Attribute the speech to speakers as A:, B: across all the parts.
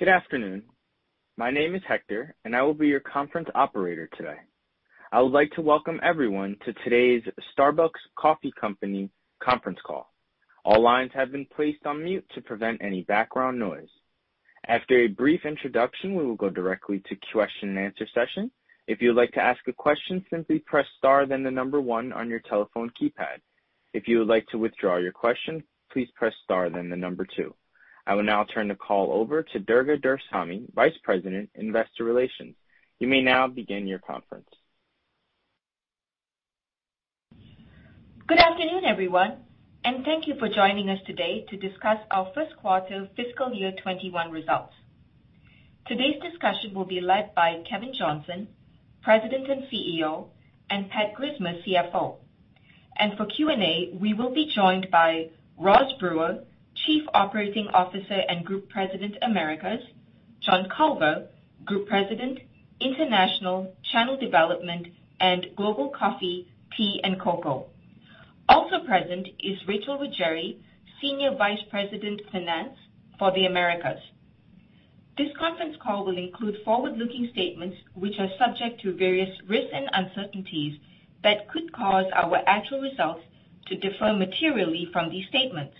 A: Good afternoon. My name is Hector, and I will be your conference operator today. I would like to welcome everyone to today's Starbucks Coffee Company Conference Call. All lines have been placed on mute to prevent any background noise. After a brief introduction, we will go directly to question and answer session. If you would like to ask a question, simply press star then the number one on your telephone keypad. If you would like to withdraw your question, please press star then the number two. I will now turn the call over to Durga Doraisamy, Vice President, Investor Relations. You may now begin your conference.
B: Good afternoon, everyone, thank you for joining us today to discuss our first quarter fiscal year 2021 results. Today's discussion will be led by Kevin Johnson, President and CEO, and Pat Grismer, CFO. For Q&A, we will be joined by Roz Brewer, Chief Operating Officer and Group President, Americas, John Culver, Group President, International, Channel Development, and Global Coffee, Tea and Cocoa. Also present is Rachel Ruggeri, Senior Vice President, Finance for the Americas. This conference call will include forward-looking statements which are subject to various risks and uncertainties that could cause our actual results to differ materially from these statements.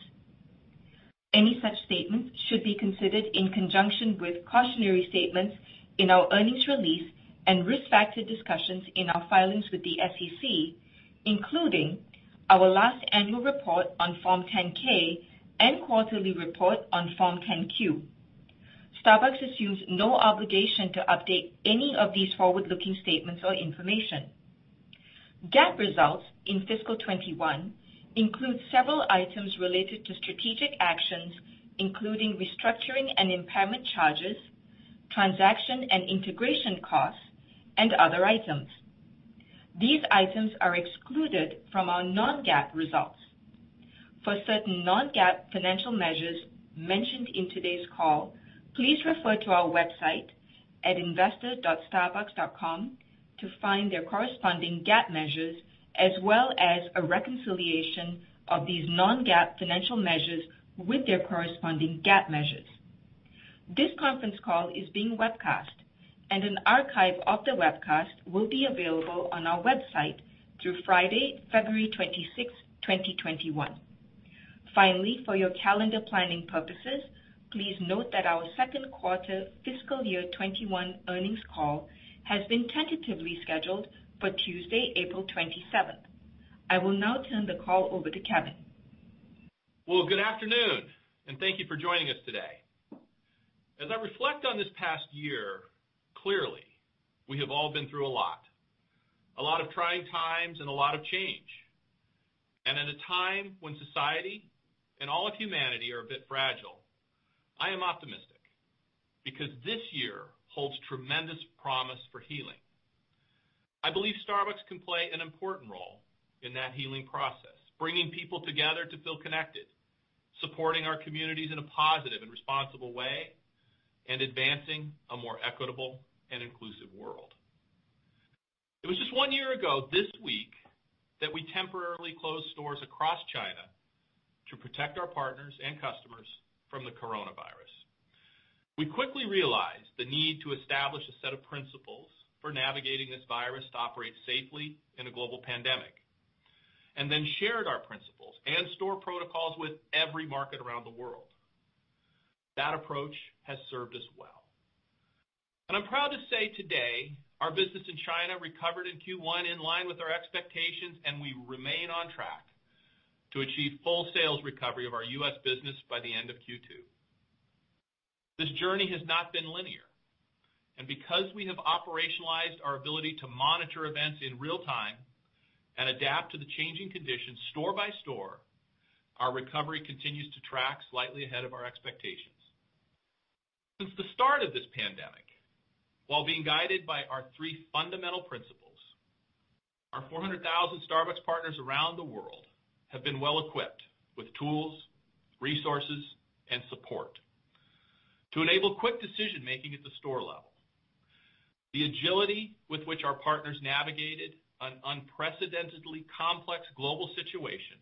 B: Any such statements should be considered in conjunction with cautionary statements in our earnings release and risk factor discussions in our filings with the SEC, including our last annual report on Form 10-K and quarterly report on Form 10-Q. Starbucks assumes no obligation to update any of these forward-looking statements or information. GAAP results in fiscal 2021 include several items related to strategic actions, including restructuring and impairment charges, transaction and integration costs, and other items. These items are excluded from our non-GAAP results. For certain non-GAAP financial measures mentioned in today's call, please refer to our website at investor.starbucks.com to find their corresponding GAAP measures, as well as a reconciliation of these non-GAAP financial measures with their corresponding GAAP measures. This conference call is being webcast, and an archive of the webcast will be available on our website through Friday, February 26, 2021. Finally, for your calendar planning purposes, please note that our second quarter fiscal year 2021 earnings call has been tentatively scheduled for Tuesday, April 27th. I will now turn the call over to Kevin.
C: Well, good afternoon, and thank you for joining us today. As I reflect on this past year, clearly, we have all been through a lot. A lot of trying times and a lot of change. At a time when society and all of humanity are a bit fragile, I am optimistic because this year holds tremendous promise for healing. I believe Starbucks can play an important role in that healing process, bringing people together to feel connected, supporting our communities in a positive and responsible way, and advancing a more equitable and inclusive world. It was just one year ago this week that we temporarily closed stores across China to protect our partners and customers from the coronavirus. We quickly realized the need to establish a set of principles for navigating this virus to operate safely in a global pandemic, and then shared our principles and store protocols with every market around the world. That approach has served us well. I'm proud to say today, our business in China recovered in Q1 in line with our expectations, and we remain on track to achieve full sales recovery of our U.S. business by the end of Q2. This journey has not been linear, and because we have operationalized our ability to monitor events in real time and adapt to the changing conditions store by store, our recovery continues to track slightly ahead of our expectations. Since the start of this pandemic, while being guided by our three fundamental principles, our 400,000 Starbucks partners around the world have been well equipped with tools, resources, and support to enable quick decision-making at the store level. The agility with which our partners navigated an unprecedentedly complex global situation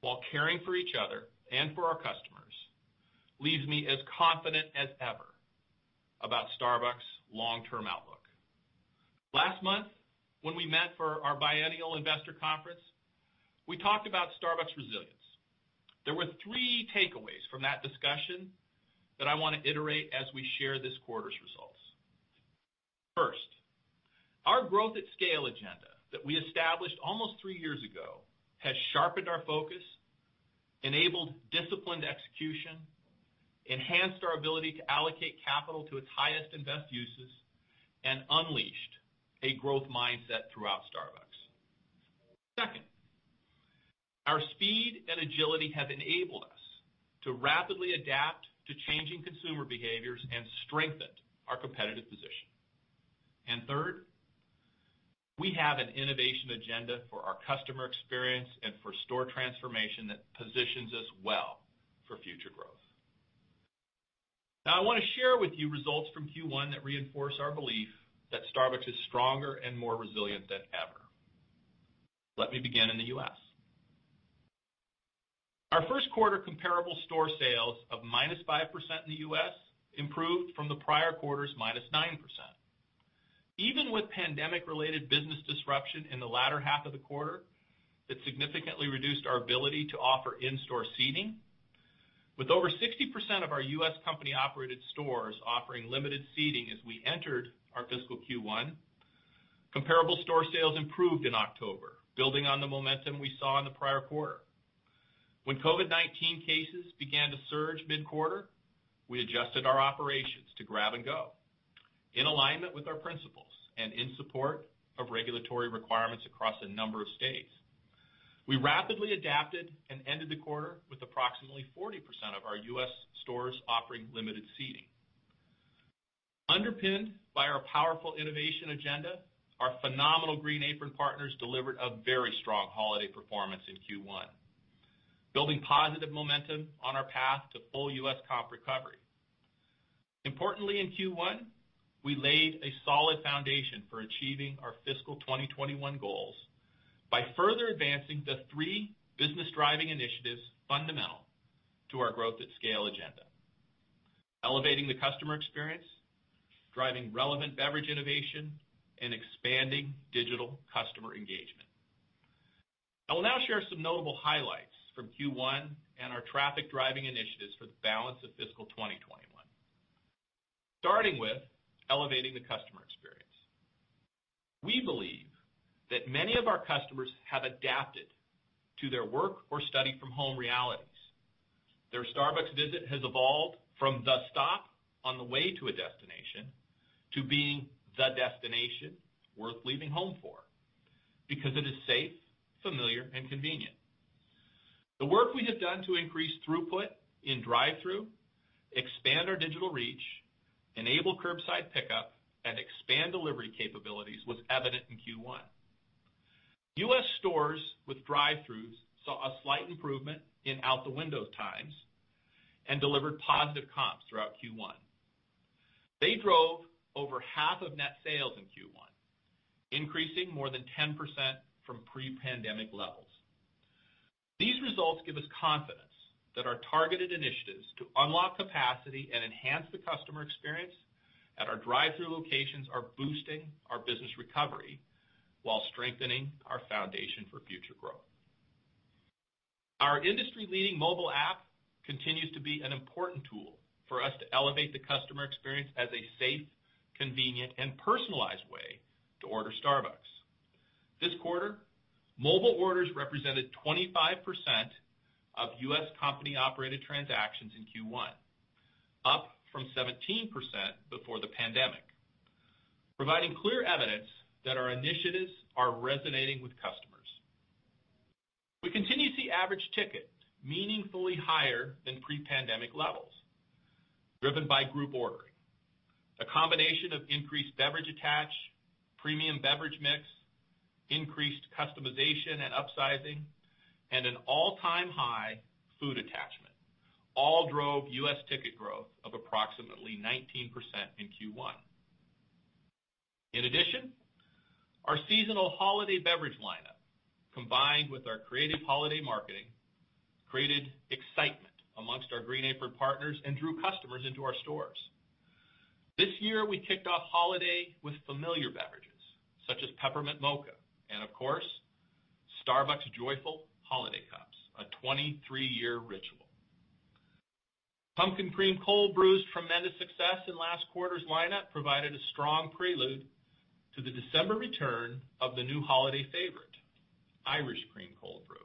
C: while caring for each other and for our customers leaves me as confident as ever about Starbucks' long-term outlook. Last month, when we met for our biennial investor conference, we talked about Starbucks' resilience. There were three takeaways from that discussion that I want to iterate as we share this quarter's results. First, our Growth at Scale Agenda that we established almost three years ago has sharpened our focus, enabled disciplined execution, enhanced our ability to allocate capital to its highest and best uses, and unleashed a growth mindset throughout Starbucks. Second, our speed and agility have enabled us to rapidly adapt to changing consumer behaviors and strengthened our competitive position. Third, we have an innovation agenda for our customer experience and for store transformation that positions us well for future growth. Now, I want to share with you results from Q1 that reinforce our belief that Starbucks is stronger and more resilient than ever. Let me begin in the U.S. Our first quarter comparable store sales of -5% in the U.S. improved from the prior quarter's -9%. Even with pandemic-related business disruption in the latter half of the quarter, that significantly reduced our ability to offer in-store seating. With over 60% of our U.S. company-operated stores offering limited seating as we entered our fiscal Q1, comparable store sales improved in October, building on the momentum we saw in the prior quarter. When COVID-19 cases began to surge mid-quarter, we adjusted our operations to grab and go. In alignment with our principles, in support of regulatory requirements across a number of states, we rapidly adapted and ended the quarter with approximately 40% of our U.S. stores offering limited seating. Underpinned by our powerful innovation agenda, our phenomenal green apron partners delivered a very strong holiday performance in Q1, building positive momentum on our path to full U.S. comp recovery. Importantly, in Q1, we laid a solid foundation for achieving our fiscal 2021 goals by further advancing the three business-driving initiatives fundamental to our Growth at Scale Agenda. Elevating the Customer Experience, Driving Relevant Beverage Innovation, and Expanding Digital Customer Engagement. I will now share some notable highlights from Q1 and our traffic-driving initiatives for the balance of fiscal 2021. Starting with Elevating the Customer Experience. We believe that many of our customers have adapted to their work or study from home realities. Their Starbucks visit has evolved from the stop on the way to a destination to being the destination worth leaving home for, because it is safe, familiar, and convenient. The work we have done to increase throughput in drive-thru, expand our digital reach, enable curbside pickup, and expand delivery capabilities was evident in Q1. U.S. stores with drive-thrus saw a slight improvement in out the window times and delivered positive comps throughout Q1. They drove over half of net sales in Q1, increasing more than 10% from pre-pandemic levels. These results give us confidence that our targeted initiatives to unlock capacity and enhance the customer experience at our drive-thru locations are boosting our business recovery while strengthening our foundation for future growth. Our industry-leading mobile app continues to be an important tool for us to elevate the customer experience as a safe, convenient, and personalized way to order Starbucks. This quarter, mobile orders represented 25% of U.S. company-operated transactions in Q1, up from 17% before the pandemic. Providing clear evidence that our initiatives are resonating with customers. A combination of increased beverage attach, premium beverage mix, increased customization and upsizing, and an all-time high food attachment all drove U.S. ticket growth of approximately 19% in Q1. In addition, our seasonal holiday beverage lineup, combined with our creative holiday marketing, created excitement amongst our green apron partners and drew customers into our stores. This year, we kicked off holiday with familiar beverages such as Peppermint Mocha and, of course, Starbucks Joyful Holiday Cups, a 23-year ritual. Pumpkin Cream Cold Brew's tremendous success in last quarter's lineup provided a strong prelude to the December return of the new holiday favorite, Irish Cream Cold Brew.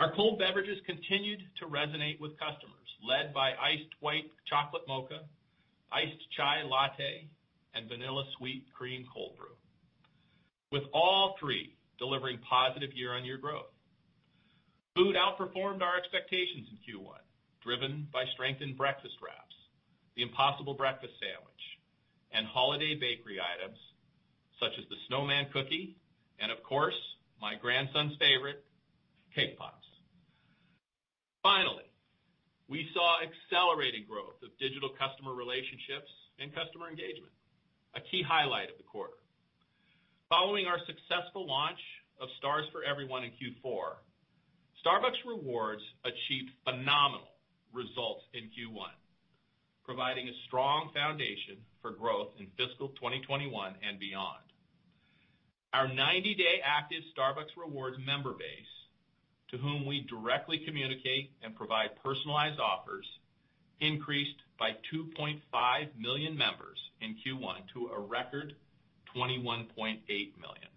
C: Our cold beverages continued to resonate with customers, led by Iced White Chocolate Mocha, Iced Chai Latte, and Vanilla Sweet Cream Cold Brew, with all three delivering positive year-on-year growth. Food outperformed our expectations in Q1, driven by strengthened breakfast wraps, the Impossible Breakfast Sandwich, and holiday bakery items such as the Snowman Cookie and, of course, my grandson's favorite, Cake Pops. Finally, we saw accelerated growth of digital customer relationships and customer engagement, a key highlight of the quarter. Following our successful launch of Stars for Everyone in Q4, Starbucks Rewards achieved phenomenal results in Q1, providing a strong foundation for growth in fiscal 2021 and beyond. Our 90-day active Starbucks Rewards member base, to whom we directly communicate and provide personalized offers, increased by 2.5 million members in Q1 to a record 21.8 million.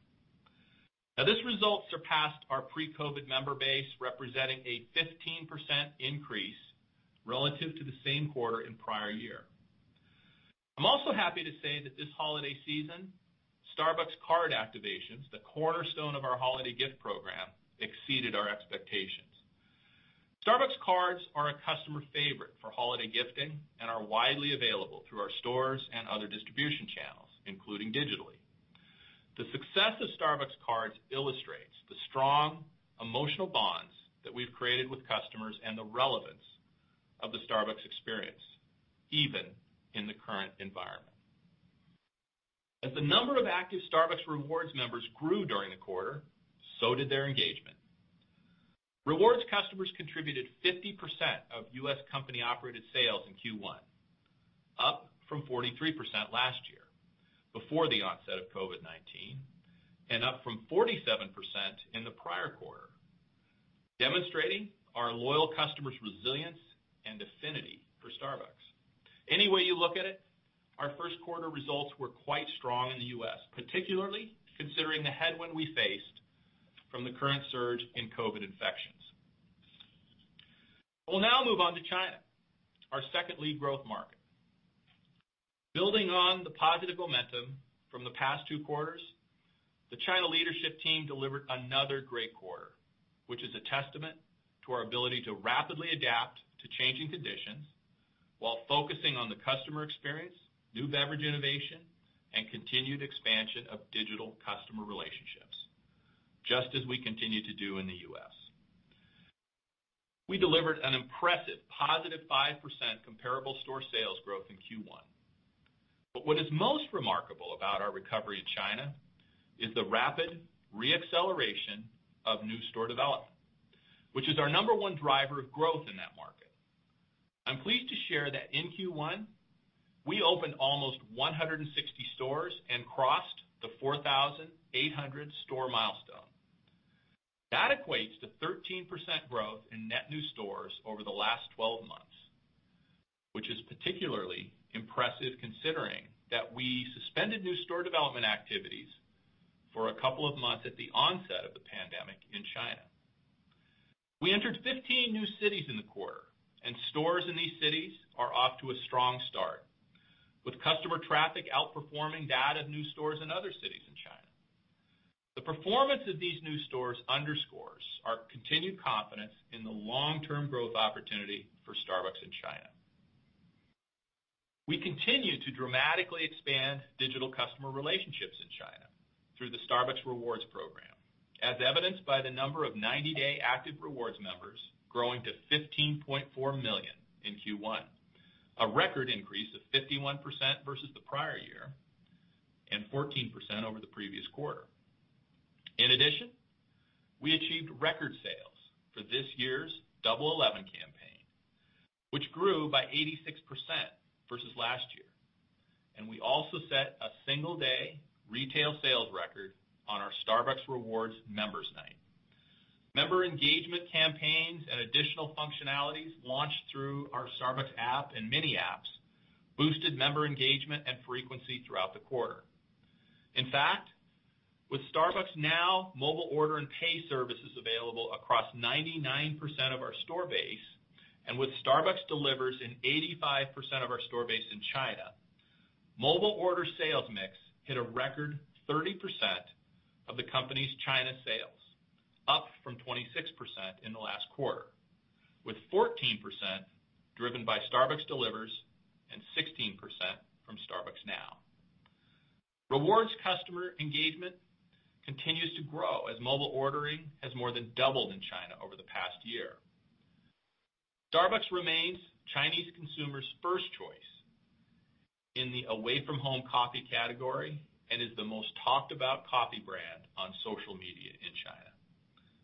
C: Now, this result surpassed our pre-COVID member base, representing a 15% increase relative to the same quarter in prior year. I'm also happy to say that this holiday season, Starbucks Card activations, the cornerstone of our holiday gift program, exceeded our expectations. Starbucks Cards are a customer favorite for holiday gifting and are widely available through our stores and other distribution channels, including digitally. The success of Starbucks Cards illustrates the strong emotional bonds that we've created with customers and the relevance of the Starbucks experience, even in the current environment. As the number of active Starbucks Rewards Members grew during the quarter, so did their engagement. Rewards customers contributed 50% of U.S. company-operated sales in Q1, up from 43% last year, before the onset of COVID-19, and up from 47% in the prior quarter, demonstrating our loyal customers' resilience and affinity for Starbucks. Any way you look at it, our first quarter results were quite strong in the U.S., particularly considering the headwind we faced from the current surge in COVID infections. We'll now move on to China, our second lead growth market. Building on the positive momentum from the past two quarters, the China Leadership Team delivered another great quarter, which is a testament to our ability to rapidly adapt to changing conditions while focusing on the customer experience, new beverage innovation, and continued expansion of digital customer relationships, just as we continue to do in the U.S. We delivered an impressive positive 5% comparable store sales growth in Q1. What is most remarkable about our recovery in China is the rapid re-acceleration of new store development, which is our number one driver of growth in that market. I'm pleased to share that in Q1, we opened almost 160 stores and crossed the 4,800 store milestone. That equates to 13% growth in net new stores over the last 12 months, which is particularly impressive considering that we suspended new store development activities for a couple of months at the onset of the pandemic in China. We entered 15 new cities in the quarter, and stores in these cities are off to a strong start, with customer traffic outperforming that of new stores in other cities in China. The performance of these new stores underscores our continued confidence in the long-term growth opportunity for Starbucks in China. We continue to dramatically expand digital customer relationships in China through the Starbucks Rewards program, as evidenced by the number of 90-day active Rewards Members growing to 15.4 million in Q1, a record increase of 51% versus the prior year, and 14% over the previous quarter. In addition, we achieved record sales for this year's Double 11 campaign, which grew by 86% versus last year, and we also set a single-day retail sales record on our Starbucks Rewards Members Night. Member engagement campaigns and additional functionalities launched through our Starbucks app and mini apps boosted member engagement and frequency throughout the quarter. In fact, with Starbucks Now Mobile Order & Pay services available across 99% of our store base, and with Starbucks Delivers in 85% of our store base in China, mobile order sales mix hit a record 30% of the company's China sales, up from 26% in the last quarter, with 14% driven by Starbucks Delivers and 16% from Starbucks Now. Rewards customer engagement continues to grow as mobile ordering has more than doubled in China over the past year. Starbucks remains Chinese consumers' first choice in the away-from-home coffee category and is the most talked about coffee brand on social media in China.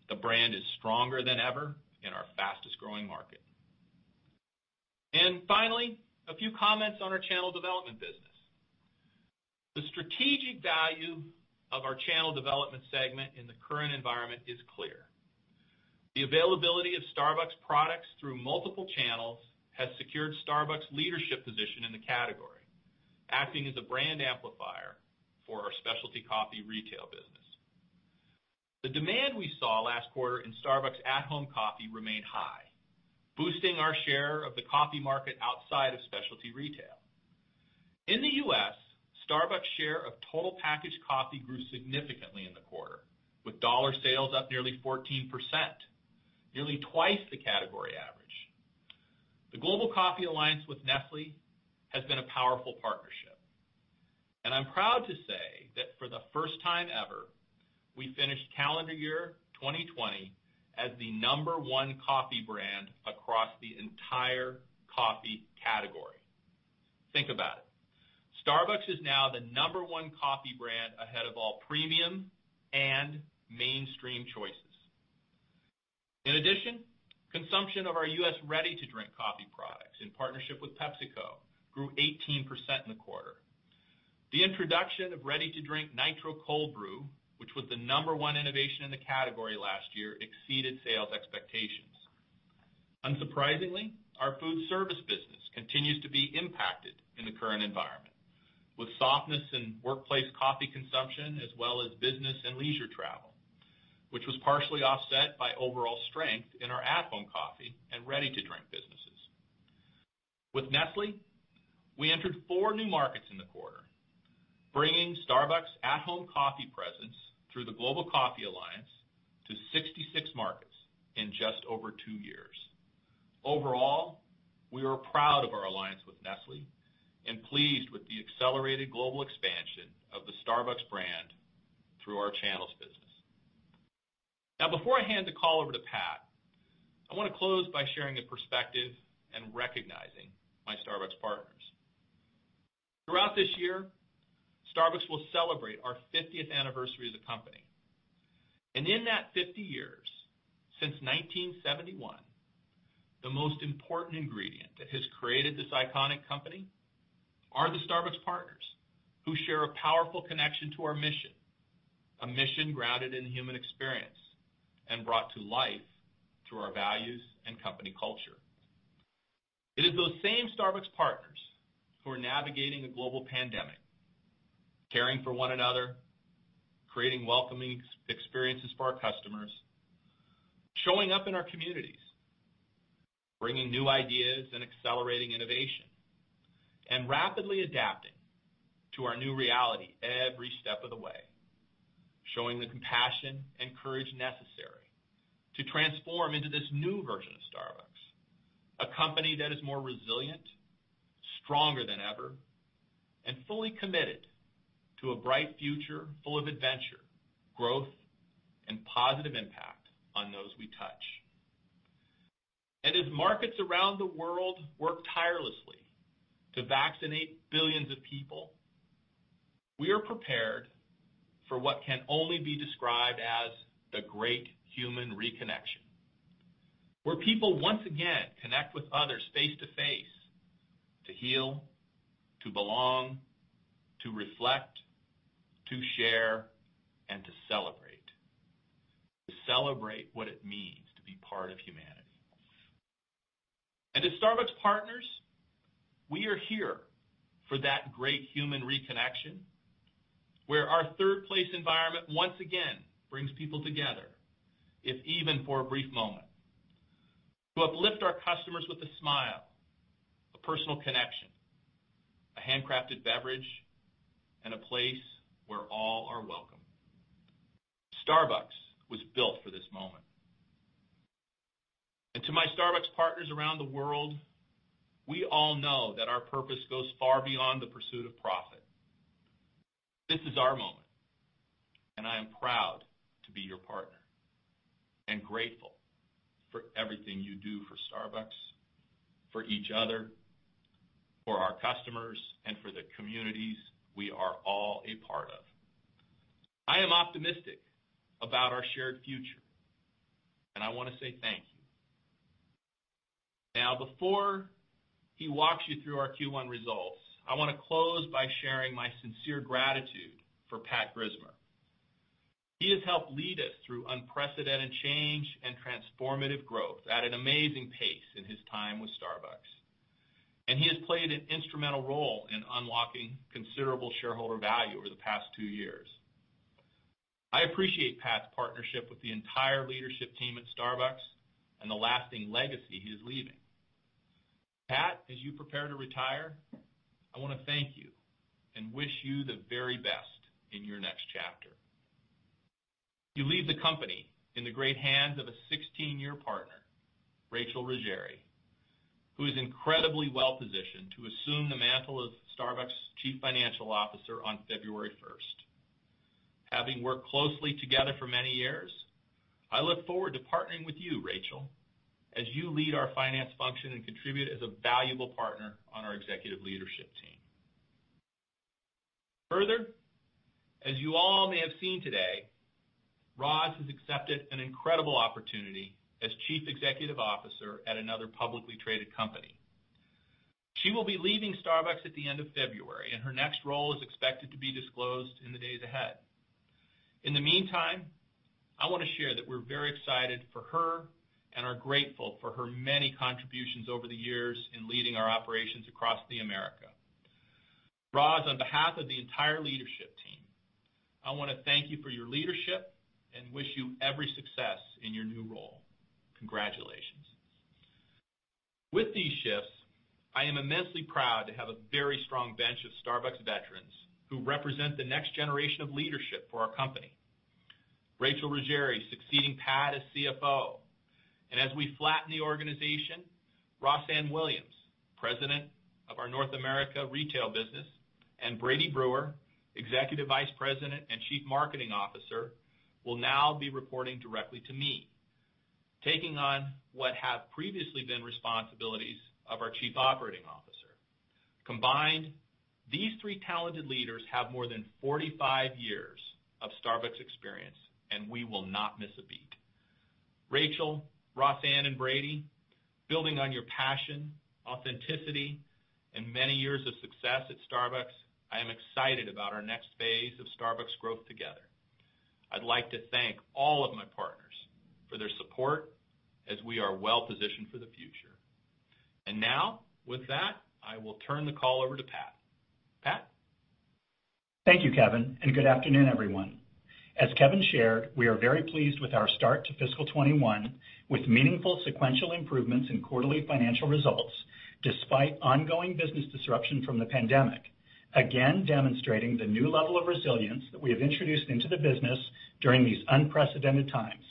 C: The brand is stronger than ever in our fastest-growing market. Finally, a few comments on our Channel Development business. The strategic value of our Channel Development segment in the current environment is clear. The availability of Starbucks products through multiple channels has secured Starbucks leadership position in the category, acting as a brand amplifier for our specialty coffee retail business. The demand we saw last quarter in Starbucks At-Home Coffee remained high, boosting our share of the coffee market outside of specialty retail. In the U.S., Starbucks' share of total packaged coffee grew significantly in the quarter, with dollar sales up nearly 14%, nearly twice the category average. The Global Coffee Alliance with Nestlé has been a powerful partnership. I'm proud to say that for the first time ever, we finished calendar year 2020 as the number one coffee brand across the entire coffee category. Think about it. Starbucks is now the number one coffee brand ahead of all premium and mainstream choices. In addition, consumption of our U.S. ready-to-drink coffee products in partnership with PepsiCo grew 18% in the quarter. The introduction of ready-to-drink Nitro Cold Brew, which was the number one innovation in the category last year, exceeded sales expectations. Unsurprisingly, our food service business continues to be impacted in the current environment with softness in workplace coffee consumption as well as business and leisure travel, which was partially offset by overall strength in our At-Home Coffee and ready-to-drink businesses. With Nestlé, we entered four new markets in the quarter, bringing Starbucks At-Home Coffee presence through the Global Coffee Alliance to 66 markets in just over two years. Overall, we are proud of our alliance with Nestlé and pleased with the accelerated global expansion of the Starbucks brand through our channels business. Before I hand the call over to Pat, I want to close by sharing a perspective and recognizing my Starbucks partners. Throughout this year, Starbucks will celebrate our 50th anniversary as a company. In that 50 years, since 1971, the most important ingredient that has created this iconic company are the Starbucks partners, who share a powerful connection to our mission, a mission grounded in human experience and brought to life through our values and company culture. It is those same Starbucks partners who are navigating a global pandemic, caring for one another, creating welcoming experiences for our customers, showing up in our communities, bringing new ideas, and accelerating innovation, and rapidly adapting to our new reality every step of the way. Showing the compassion and courage necessary to transform into this new version of Starbucks, a company that is more resilient, stronger than ever, and fully committed to a bright future full of adventure, growth, and positive impact on those we touch. As markets around the world work tirelessly to vaccinate billions of people, we are prepared for what can only be described as the great human reconnection, where people once again connect with others face-to-face to heal, to belong, to reflect, to share, and to celebrate. To celebrate what it means to be part of humanity. As Starbucks partners, we are here for that great human reconnection, where our third place environment once again brings people together, if even for a brief moment, to uplift our customers with a smile, a personal connection, a handcrafted beverage, and a place where all are welcome. Starbucks was built for this moment. To my Starbucks partners around the world, we all know that our purpose goes far beyond the pursuit of profit. This is our moment, and I am proud to be your partner and grateful for everything you do for Starbucks, for each other, for our customers, and for the communities we are all a part of. I am optimistic about our shared future, and I want to say thank you. Now, before he walks you through our Q1 results, I want to close by sharing my sincere gratitude for Pat Grismer. He has helped lead us through unprecedented change and transformative growth at an amazing pace in his time with Starbucks. He has played an instrumental role in unlocking considerable shareholder value over the past two years. I appreciate Pat's partnership with the entire leadership team at Starbucks and the lasting legacy he is leaving. Pat, as you prepare to retire, I want to thank you and wish you the very best in your next chapter. You leave the company in the great hands of a 16-year partner, Rachel Ruggeri, who is incredibly well-positioned to assume the mantle of Starbucks Chief Financial Officer on February 1st. Having worked closely together for many years, I look forward to partnering with you, Rachel, as you lead our finance function and contribute as a valuable partner on our executive leadership team. As you all may have seen today, Roz has accepted an incredible opportunity as Chief Executive Officer at another publicly traded company. She will be leaving Starbucks at the end of February, and her next role is expected to be disclosed in the days ahead. In the meantime, I want to share that we're very excited for her and are grateful for her many contributions over the years in leading our operations across the Americas. Roz, on behalf of the entire leadership team, I want to thank you for your leadership and wish you every success in your new role. Congratulations. With these shifts, I am immensely proud to have a very strong bench of Starbucks veterans who represent the next generation of leadership for our company. Rachel Ruggeri succeeding Pat as CFO. As we flatten the organization, Rossann Williams, President of our North America retail business, and Brady Brewer, Executive Vice President and Chief Marketing Officer, will now be reporting directly to me, taking on what have previously been responsibilities of our Chief Operating Officer. Combined, these three talented leaders have more than 45 years of Starbucks experience, and we will not miss a beat. Rachel, Rossann, and Brady, building on your passion, authenticity, and many years of success at Starbucks, I am excited about our next phase of Starbucks growth together. I'd like to thank all of my partners for their support as we are well positioned for the future. Now, with that, I will turn the call over to Pat. Pat?
D: Thank you, Kevin, and good afternoon, everyone. As Kevin shared, we are very pleased with our start to fiscal 2021 with meaningful sequential improvements in quarterly financial results despite ongoing business disruption from the pandemic. Demonstrating the new level of resilience that we have introduced into the business during these unprecedented times.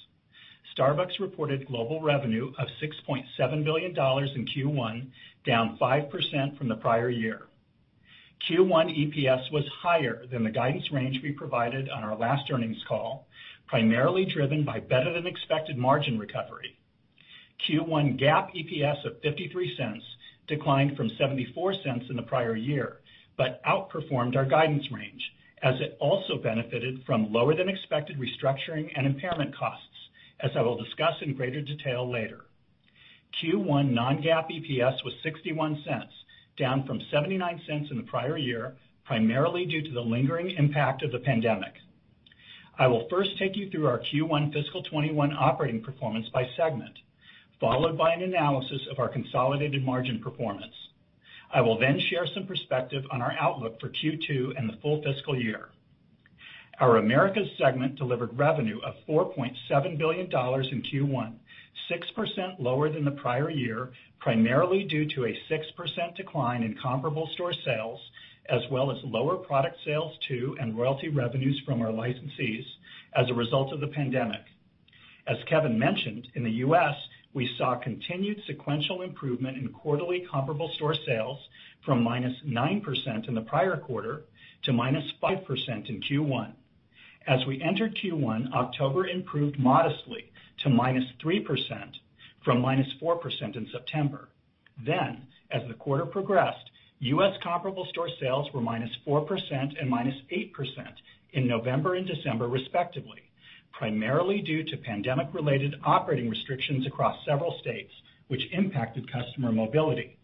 D: Starbucks reported global revenue of $6.7 billion in Q1, down 5% from the prior year. Q1 EPS was higher than the guidance range we provided on our last earnings call, primarily driven by better than expected margin recovery. Q1 GAAP EPS of $0.53 declined from $0.74 in the prior year, outperformed our guidance range as it also benefited from lower than expected restructuring and impairment costs, as I will discuss in greater detail later. Q1 non-GAAP EPS was $0.61, down from $0.79 in the prior year, primarily due to the lingering impact of the pandemic. I will first take you through our Q1 fiscal 2021 operating performance by segment, followed by an analysis of our consolidated margin performance. I will share some perspective on our outlook for Q2 and the full fiscal year. Our Americas segment delivered revenue of $4.7 billion in Q1, 6% lower than the prior year, primarily due to a 6% decline in comparable store sales, as well as lower product sales to and royalty revenues from our licensees as a result of the pandemic. As Kevin mentioned, in the U.S., we saw continued sequential improvement in quarterly comparable store sales from -9% in the prior quarter to -5% in Q1. As we entered Q1, October improved modestly to -3% from -4% in September. As the quarter progressed, U.S. comparable store sales were -4% and -8% in November and December respectively, primarily due to pandemic-related operating restrictions across several states, which impacted customer mobility.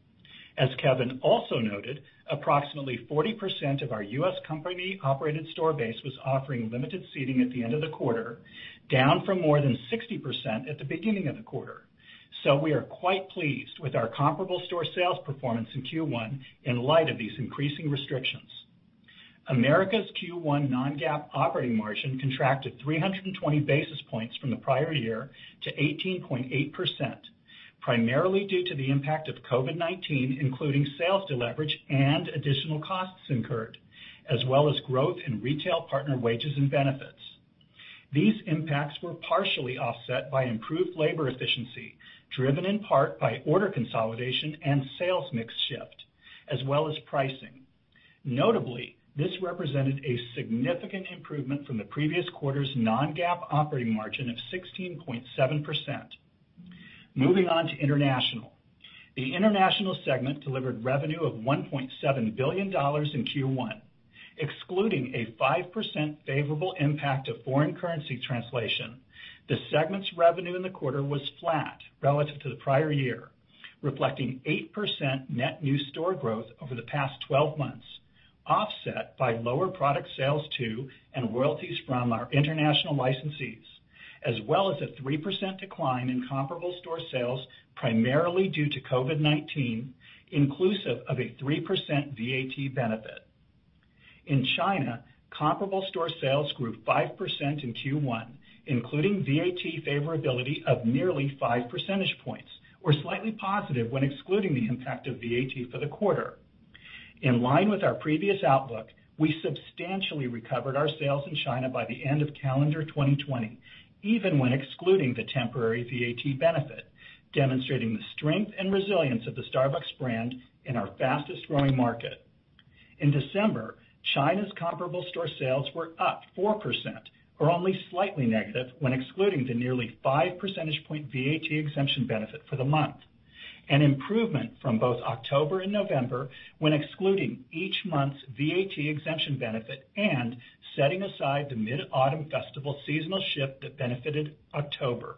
D: As Kevin also noted, approximately 40% of our U.S. company-operated store base was offering limited seating at the end of the quarter, down from more than 60% at the beginning of the quarter. We are quite pleased with our comparable store sales performance in Q1 in light of these increasing restrictions. Americas Q1 non-GAAP operating margin contracted 320 basis points from the prior year to 18.8%, primarily due to the impact of COVID-19, including sales deleverage and additional costs incurred, as well as growth in retail partner wages and benefits. These impacts were partially offset by improved labor efficiency, driven in part by order consolidation and sales mix shift, as well as pricing. Notably, this represented a significant improvement from the previous quarter's non-GAAP operating margin of 16.7%. Moving on to International. The International segment delivered revenue of $1.7 billion in Q1. Excluding a 5% favorable impact of foreign currency translation, the segment's revenue in the quarter was flat relative to the prior year, reflecting 8% net new store growth over the past 12 months, offset by lower product sales to and royalties from our international licensees, as well as a 3% decline in comparable store sales primarily due to COVID-19, inclusive of a 3% VAT benefit. In China, comparable store sales grew 5% in Q1, including VAT favorability of nearly five percentage points, or slightly positive when excluding the impact of VAT for the quarter. In line with our previous outlook, we substantially recovered our sales in China by the end of calendar 2020, even when excluding the temporary VAT benefit, demonstrating the strength and resilience of the Starbucks brand in our fastest-growing market. In December, China's comparable store sales were up 4%, or only slightly negative when excluding the nearly five percentage point VAT exemption benefit for the month, an improvement from both October and November when excluding each month's VAT exemption benefit and setting aside the Mid-Autumn Festival seasonal shift that benefited October.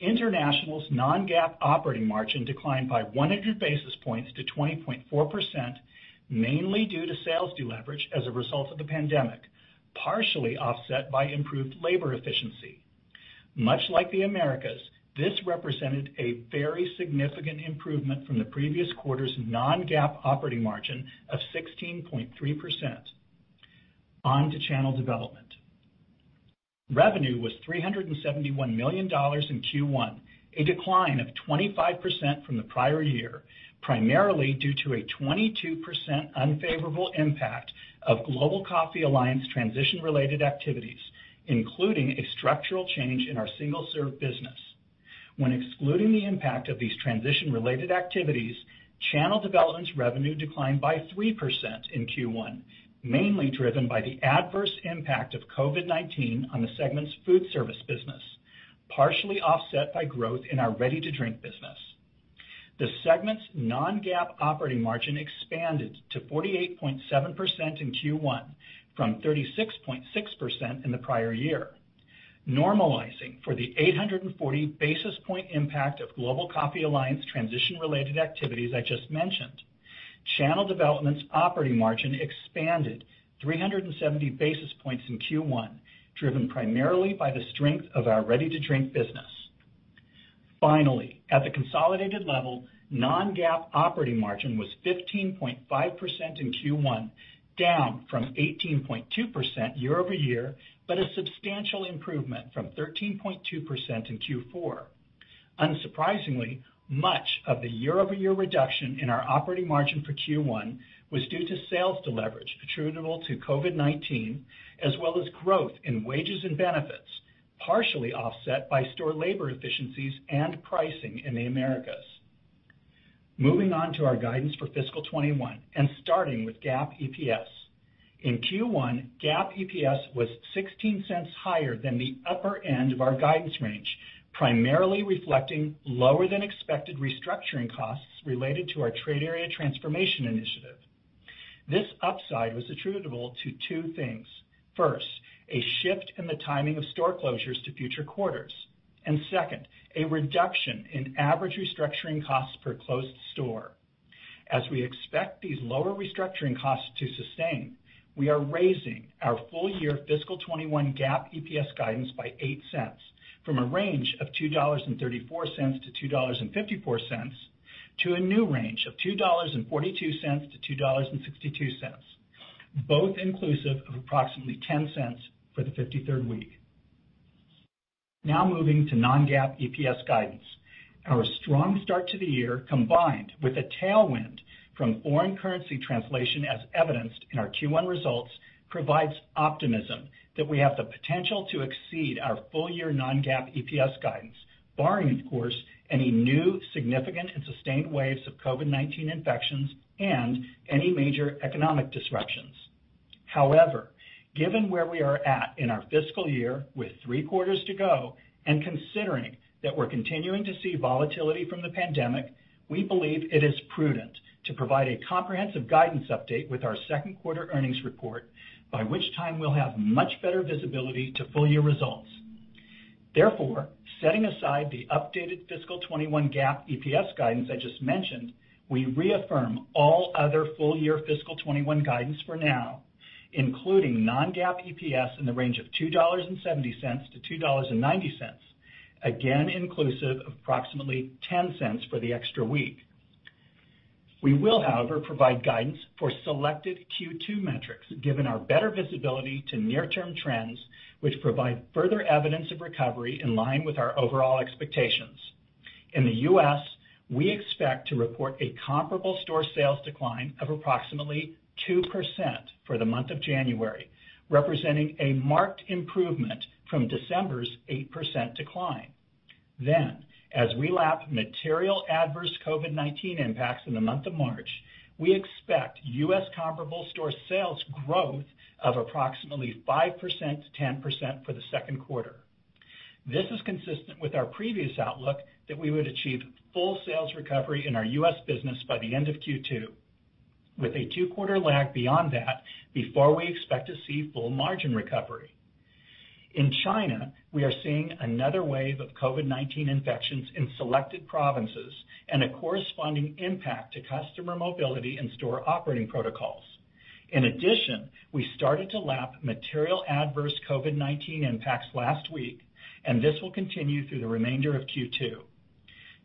D: International's non-GAAP operating margin declined by 100 basis points to 20.4%, mainly due to sales deleverage as a result of the pandemic, partially offset by improved labor efficiency. Much like the Americas, this represented a very significant improvement from the previous quarter's non-GAAP operating margin of 16.3%. On to channel development. Revenue was $371 million in Q1, a decline of 25% from the prior year, primarily due to a 22% unfavorable impact of Global Coffee Alliance transition-related activities, including a structural change in our single-serve business. When excluding the impact of these transition-related activities, channel development's revenue declined by 3% in Q1, mainly driven by the adverse impact of COVID-19 on the segment's food service business, partially offset by growth in our ready-to-drink business. The segment's non-GAAP operating margin expanded to 48.7% in Q1 from 36.6% in the prior year. Normalizing for the 840 basis point impact of Global Coffee Alliance transition-related activities I just mentioned, channel development's operating margin expanded 370 basis points in Q1, driven primarily by the strength of our ready-to-drink business. Finally, at the consolidated level, non-GAAP operating margin was 15.5% in Q1, down from 18.2% year-over-year, but a substantial improvement from 13.2% in Q4. Unsurprisingly, much of the year-over-year reduction in our operating margin for Q1 was due to sales deleverage attributable to COVID-19, as well as growth in wages and benefits, partially offset by store labor efficiencies and pricing in the Americas. Moving on to our guidance for fiscal 2021 and starting with GAAP EPS. In Q1, GAAP EPS was $0.16 higher than the upper end of our guidance range, primarily reflecting lower than expected restructuring costs related to our Americas Trade Area Transformation initiative. This upside was attributable to two things. First, a shift in the timing of store closures to future quarters, and second, a reduction in average restructuring costs per closed store. As we expect these lower restructuring costs to sustain, we are raising our full year fiscal 2021 GAAP EPS guidance by $0.08 from a range of $2.34 to $2.54 to a new range of $2.42 to $2.62, both inclusive of approximately $0.10 for the 53rd week. Now moving to non-GAAP EPS guidance. Our strong start to the year, combined with a tailwind from foreign currency translation as evidenced in our Q1 results, provides optimism that we have the potential to exceed our full year non-GAAP EPS guidance, barring, of course, any new significant and sustained waves of COVID-19 infections and any major economic disruptions. Given where we are at in our fiscal year with three quarters to go, and considering that we're continuing to see volatility from the pandemic, we believe it is prudent to provide a comprehensive guidance update with our second quarter earnings report, by which time we'll have much better visibility to full year results. Setting aside the updated fiscal 2021 GAAP EPS guidance I just mentioned, we reaffirm all other full year fiscal 2021 guidance for now, including non-GAAP EPS in the range of $2.70 to $2.90, again, inclusive of approximately $0.10 for the extra week. We will, however, provide guidance for selected Q2 metrics given our better visibility to near-term trends which provide further evidence of recovery in line with our overall expectations. In the U.S., we expect to report a comparable store sales decline of approximately 2% for the month of January, representing a marked improvement from December's 8% decline. As we lap material adverse COVID-19 impacts in the month of March, we expect U.S. comparable store sales growth of approximately 5%-10% for the second quarter. This is consistent with our previous outlook that we would achieve full sales recovery in our U.S. business by the end of Q2 with a two-quarter lag beyond that before we expect to see full margin recovery. In China, we are seeing another wave of COVID-19 infections in selected provinces and a corresponding impact to customer mobility and store operating protocols. We started to lap material adverse COVID-19 impacts last week, and this will continue through the remainder of Q2.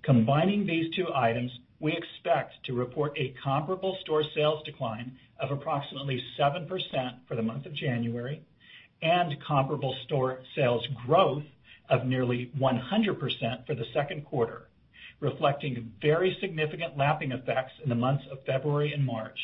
D: Combining these two items, we expect to report a comparable store sales decline of approximately 7% for the month of January and comparable store sales growth of nearly 100% for the second quarter, reflecting very significant lapping effects in the months of February and March.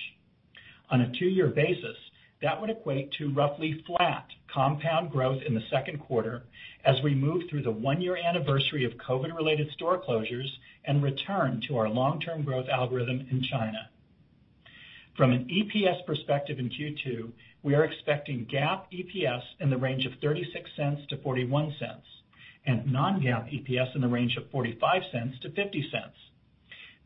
D: On a two-year basis, that would equate to roughly flat compound growth in the second quarter as we move through the one-year anniversary of COVID-related store closures and return to our long-term growth algorithm in China. From an EPS perspective in Q2, we are expecting GAAP EPS in the range of $0.36 to $0.41 and non-GAAP EPS in the range of $0.45 to $0.50.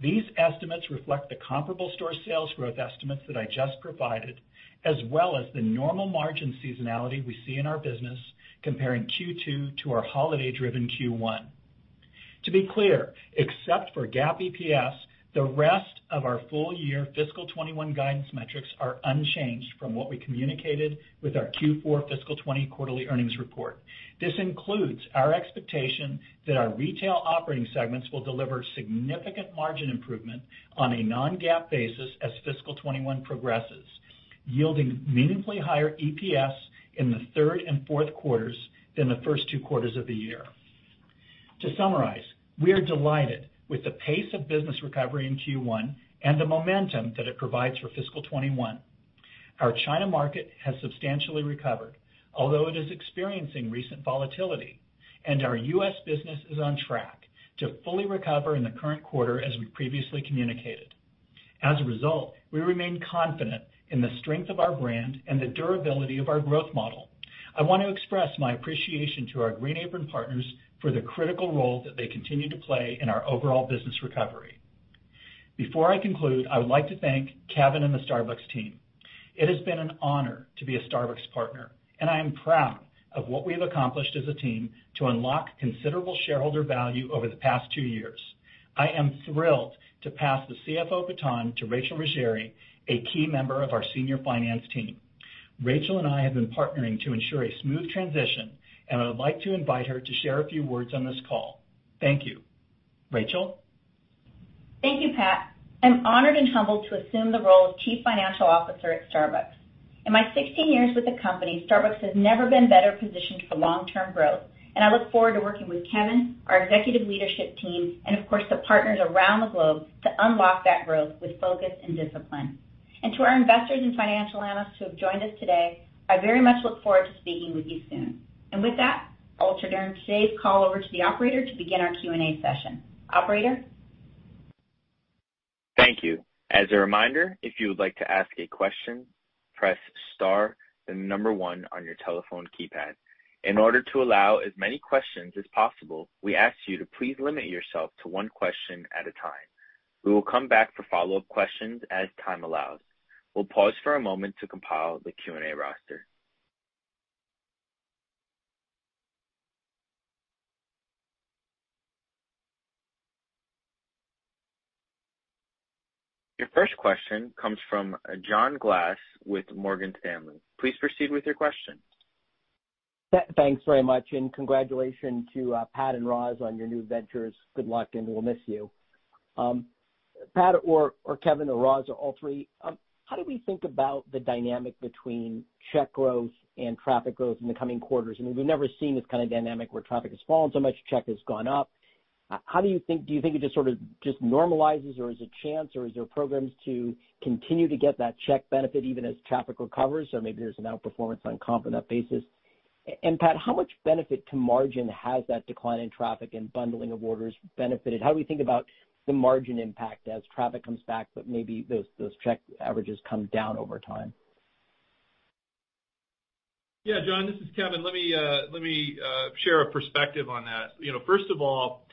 D: These estimates reflect the comparable store sales growth estimates that I just provided, as well as the normal margin seasonality we see in our business comparing Q2 to our holiday-driven Q1. To be clear, except for GAAP EPS, the rest of our full year fiscal 2021 guidance metrics are unchanged from what we communicated with our Q4 fiscal 2020 quarterly earnings report. This includes our expectation that our retail operating segments will deliver significant margin improvement on a non-GAAP basis as fiscal 2021 progresses, yielding meaningfully higher EPS in the third and fourth quarters than the first two quarters of the year. To summarize, we are delighted with the pace of business recovery in Q1 and the momentum that it provides for fiscal 2021. Our China market has substantially recovered, although it is experiencing recent volatility and our U.S. business is on track to fully recover in the current quarter as we previously communicated. As a result, we remain confident in the strength of our brand and the durability of our growth model. I want to express my appreciation to our green apron partners for the critical role that they continue to play in our overall business recovery. Before I conclude, I would like to thank Kevin and the Starbucks team. It has been an honor to be a Starbucks partner, and I am proud of what we have accomplished as a team to unlock considerable shareholder value over the past two years. I am thrilled to pass the CFO baton to Rachel Ruggeri, a key member of our senior finance team. Rachel and I have been partnering to ensure a smooth transition, and I would like to invite her to share a few words on this call. Thank you. Rachel.
E: Thank you, Pat. I'm honored and humbled to assume the role of Chief Financial Officer at Starbucks. In my 16 years with the company, Starbucks has never been better positioned for long-term growth, and I look forward to working with Kevin, our executive leadership team, and of course, the partners around the globe to unlock that growth with focus and discipline. To our investors and financial analysts who have joined us today, I very much look forward to speaking with you soon. With that, I'll turn today's call over to the operator to begin our Q&A session. Operator?
A: Thank you. As a reminder, if you would like to ask a question, press star, then the number on your telephone keypad. In order to allow as many questions as possible, we ask you to please limit yourself to one question at a time. We will come back for follow-up questions as time allows. We'll pause for a moment to compile the Q&A roster. Your first question comes from John Glass with Morgan Stanley. Please proceed with your question.
F: Thanks very much, congratulations to Pat and Roz on your new ventures. Good luck, and we'll miss you. Pat or Kevin or Roz or all three, how do we think about the dynamic between check growth and traffic growth in the coming quarters? I mean, we've never seen this kind of dynamic where traffic has fallen so much, check has gone up. Do you think it just sort of just normalizes, or is there a chance, or is there programs to continue to get that check benefit even as traffic recovers? Maybe there's an outperformance on comp on that basis. Pat, how much benefit to margin has that decline in traffic and bundling of orders benefited? How do we think about the margin impact as traffic comes back, but maybe those check averages come down over time?
C: Yeah, John, this is Kevin. Let me share a perspective on that. First of all,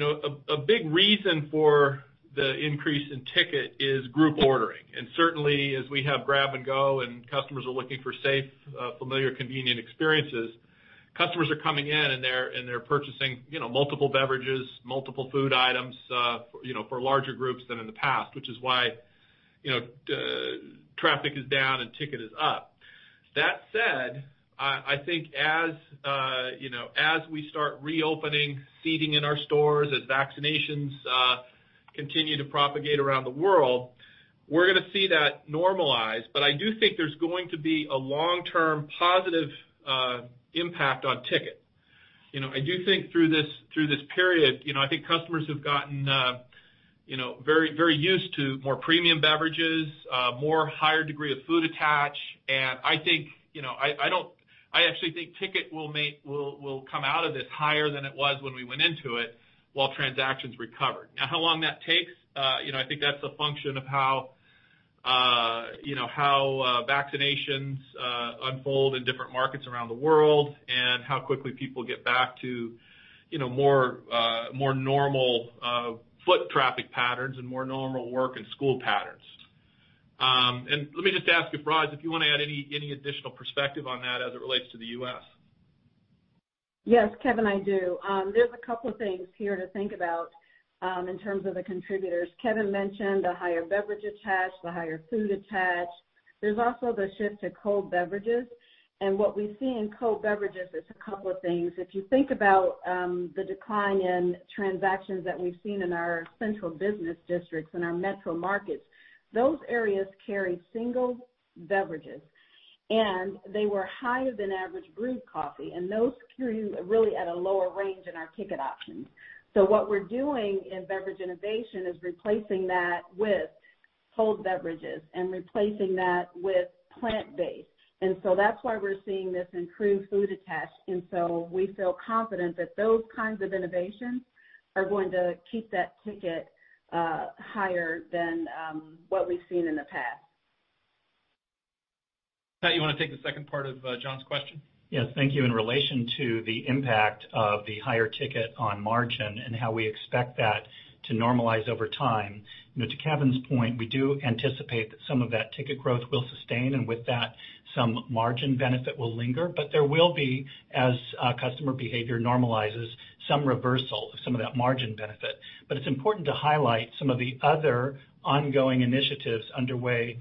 C: a big reason for the increase in ticket is group ordering. Certainly, as we have grab and go and customers are looking for safe, familiar, convenient experiences, customers are coming in, and they're purchasing multiple beverages, multiple food items for larger groups than in the past, which is why traffic is down and ticket is up. That said, I think as we start reopening seating in our stores, as vaccinations continue to propagate around the world, we're going to see that normalize. I do think there's going to be a long-term positive impact on ticket. I do think through this period, I think customers have gotten very used to more premium beverages, more higher degree of food attach, and I actually think ticket will come out of this higher than it was when we went into it while transactions recover. How long that takes, I think that's a function of how vaccinations unfold in different markets around the world and how quickly people get back to more normal foot traffic patterns and more normal work and school patterns. Let me just ask you, Roz, if you want to add any additional perspective on that as it relates to the U.S.
G: Yes, Kevin, I do. There's a couple of things here to think about in terms of the contributors. Kevin mentioned the higher beverage attach, the higher food attach. There's also the shift to cold beverages. What we see in cold beverages is a couple of things. If you think about the decline in transactions that we've seen in our central business districts, in our metro markets, those areas carry single beverages, and they were higher than average brewed coffee, and those SKUs really at a lower range in our ticket options. What we're doing in beverage innovation is replacing that with cold beverages and replacing that with plant-based. That's why we're seeing this improved food attach. We feel confident that those kinds of innovations are going to keep that ticket higher than what we've seen in the past.
C: Pat, you want to take the second part of John's question?
D: Yes. Thank you. In relation to the impact of the higher ticket on margin and how we expect that to normalize over time, to Kevin's point, we do anticipate that some of that ticket growth will sustain, and with that, some margin benefit will linger. There will be, as customer behavior normalizes, some reversal of some of that margin benefit. It's important to highlight some of the other ongoing initiatives underway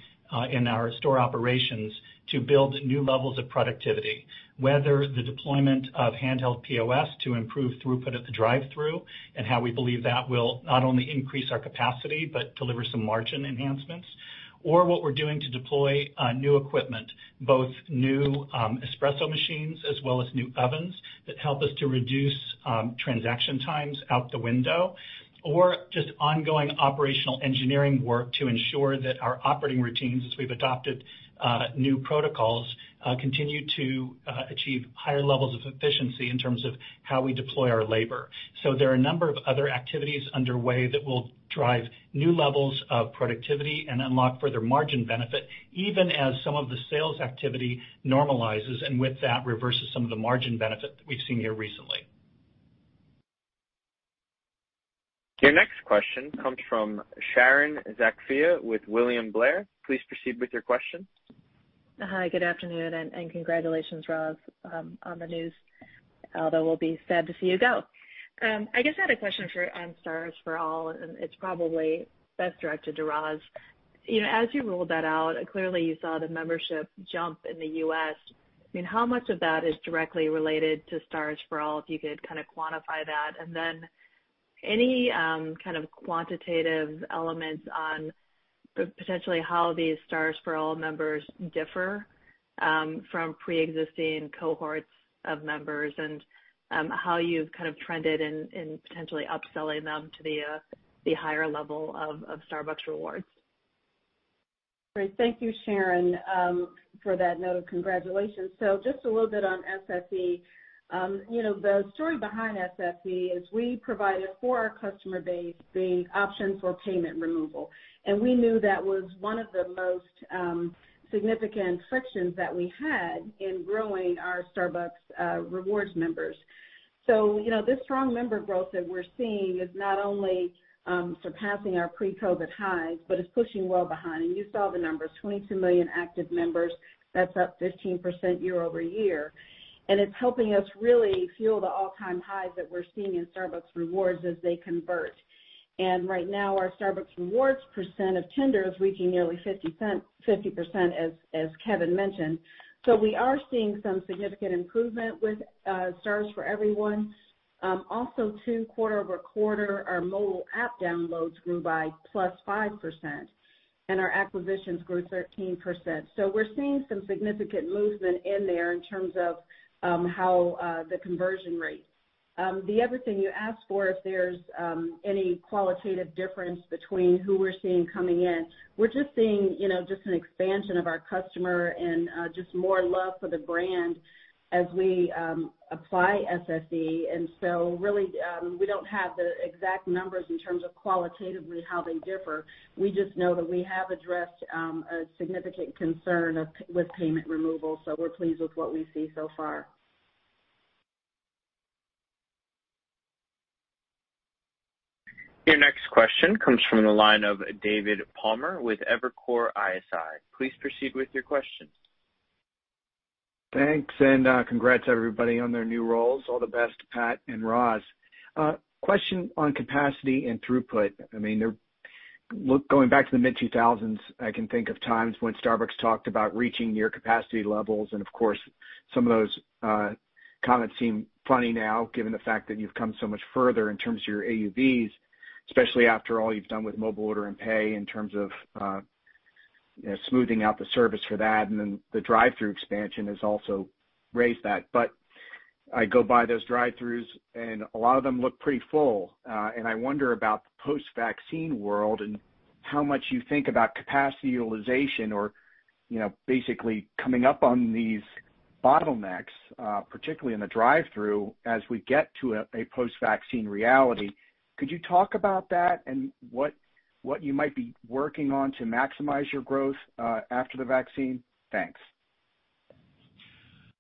D: in our store operations to build new levels of productivity, whether the deployment of handheld POS to improve throughput at the drive-thru and how we believe that will not only increase our capacity but deliver some margin enhancements, or what we're doing to deploy new equipment, both new espresso machines as well as new ovens that help us to reduce transaction times out the window, or just ongoing operational engineering work to ensure that our operating routines, as we've adopted new protocols, continue to achieve higher levels of efficiency in terms of how we deploy our labor. There are a number of other activities underway that will drive new levels of productivity and unlock further margin benefit, even as some of the sales activity normalizes, and with that, reverses some of the margin benefit that we've seen here recently.
A: Your next question comes from Sharon Zackfia with William Blair. Please proceed with your question.
H: Hi, good afternoon, and congratulations, Roz, on the news, although we'll be sad to see you go. I just had a question for, and Stars for all, it's probably best directed to Roz. As you rolled that out, clearly you saw the membership jump in the U.S. How much of that is directly related to Stars for all, if you could kind of quantify that? Then any kind of quantitative elements on potentially how these Stars for all members differ? From preexisting cohorts of members and how you've trended in potentially upselling them to the higher level of Starbucks Rewards.
G: Great. Thank you, Sharon, for that note of congratulations. Just a little bit on SFE. The story behind SFE is we provided for our customer base the option for payment removal. We knew that was one of the most significant frictions that we had in growing our Starbucks Rewards Members. This strong member growth that we're seeing is not only surpassing our pre-COVID highs, but it's pushing well behind. You saw the numbers, 22 million active members, that's up 15% year-over-year, and it's helping us really fuel the all-time highs that we're seeing in Starbucks Rewards as they convert. Right now, our Starbucks Rewards percent of tender is reaching nearly 50%, as Kevin mentioned. We are seeing some significant improvement with Stars for Everyone. Also too, quarter-over-quarter, our mobile app downloads grew by +5%, and our acquisitions grew 13%. We're seeing some significant movement in there in terms of the conversion rate. The other thing you asked for, if there's any qualitative difference between who we're seeing coming in. We're just seeing an expansion of our customer and more love for the brand as we apply SFE, we don't have the exact numbers in terms of qualitatively how they differ. We just know that we have addressed a significant concern with payment removal, we're pleased with what we see so far.
A: Your next question comes from the line of David Palmer with Evercore ISI. Please proceed with your question.
I: Thanks and congrats, everybody, on their new roles. All the best, Pat and Roz. A question on capacity and throughput. Going back to the mid-2000s, I can think of times when Starbucks talked about reaching near capacity levels, and of course, some of those comments seem funny now, given the fact that you've come so much further in terms of your AUVs, especially after all you've done with Mobile Order & Pay in terms of smoothing out the service for that, and then the drive-thru expansion has also raised that. I go by those drive-thrus and a lot of them look pretty full. I wonder about the post-vaccine world and how much you think about capacity utilization or basically coming up on these bottlenecks, particularly in the drive-thru, as we get to a post-vaccine reality. Could you talk about that and what you might be working on to maximize your growth after the vaccine? Thanks.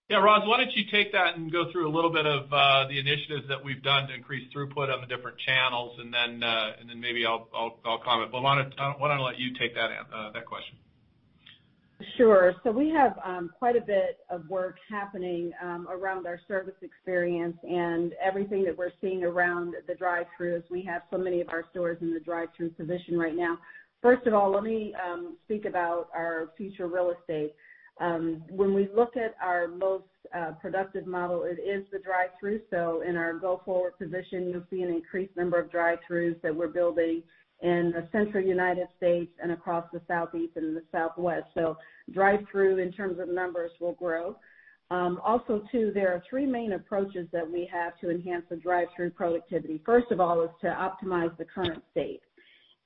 C: Yeah, Roz, why don't you take that and go through a little bit of the initiatives that we've done to increase throughput on the different channels, and then maybe I'll comment. Why don't I let you take that question?
G: Sure. We have quite a bit of work happening around our service experience and everything that we're seeing around the drive-thrus. We have so many of our stores in the drive-thru position right now. First of all, let me speak about our future real estate. When we look at our most productive model, it is the drive-thru. In our go-forward position, you'll see an increased number of drive-thrus that we're building in the central United States and across the Southeast and the Southwest. Drive-thru, in terms of numbers, will grow. Also too, there are three main approaches that we have to enhance the drive-thru productivity. First of all is to optimize the current state.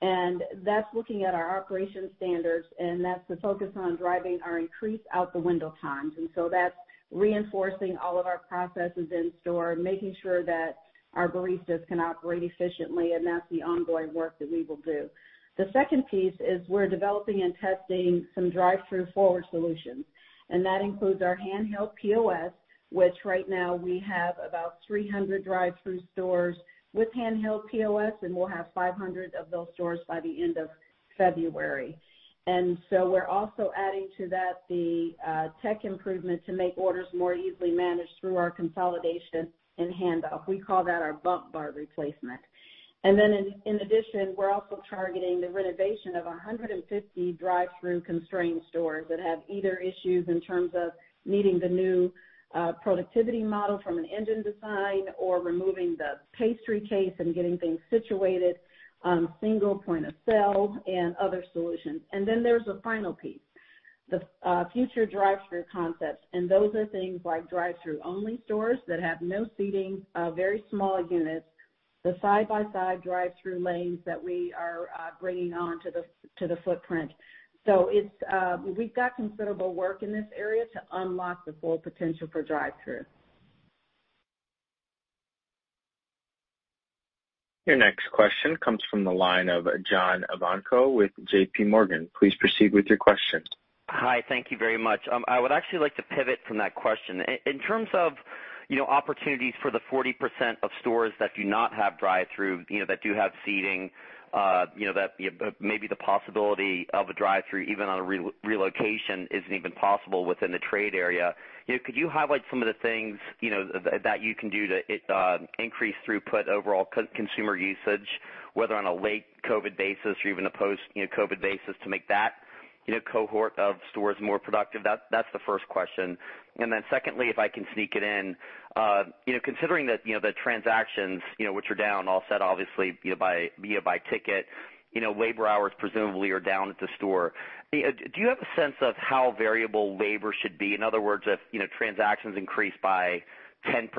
G: That's looking at our operation standards, and that's the focus on driving our increased out the window times. That's reinforcing all of our processes in store, making sure that our baristas can operate efficiently, and that's the ongoing work that we will do. The second piece is we're developing and testing some drive-thru forward solutions, and that includes our handheld POS, which right now we have about 300 drive-thru stores with handheld POS, and we'll have 500 of those stores by the end of February. We're also adding to that the tech improvement to make orders more easily managed through our consolidation and handoff. We call that our bump bar replacement. In addition, we're also targeting the renovation of 150 drive-thru constrained stores that have either issues in terms of needing the new productivity model from an engine design or removing the pastry case and getting things situated, single point of sale and other solutions. Then there's the final piece, the future drive-thru concepts. Those are things like drive-thru only stores that have no seating, very small units. The side-by-side drive-thru lanes that we are bringing on to the footprint. We've got considerable work in this area to unlock the full potential for drive-thru.
A: Your next question comes from the line of John Ivankoe with J.P. Morgan. Please proceed with your question.
J: Hi. Thank you very much. I would actually like to pivot from that question. In terms of opportunities for the 40% of stores that do not have drive-thru, that do have seating, that maybe the possibility of a drive-thru, even on a relocation, isn't even possible within the trade area. Could you highlight some of the things that you can do to increase throughput overall consumer usage, whether on a late COVID basis or even a post-COVID basis, to make cohort of stores more productive? That's the first question. Secondly, if I can sneak it in, considering that the transactions, which are down all set obviously via by ticket, labor hours presumably are down at the store. Do you have a sense of how variable labor should be? In other words, if transactions increase by 10%,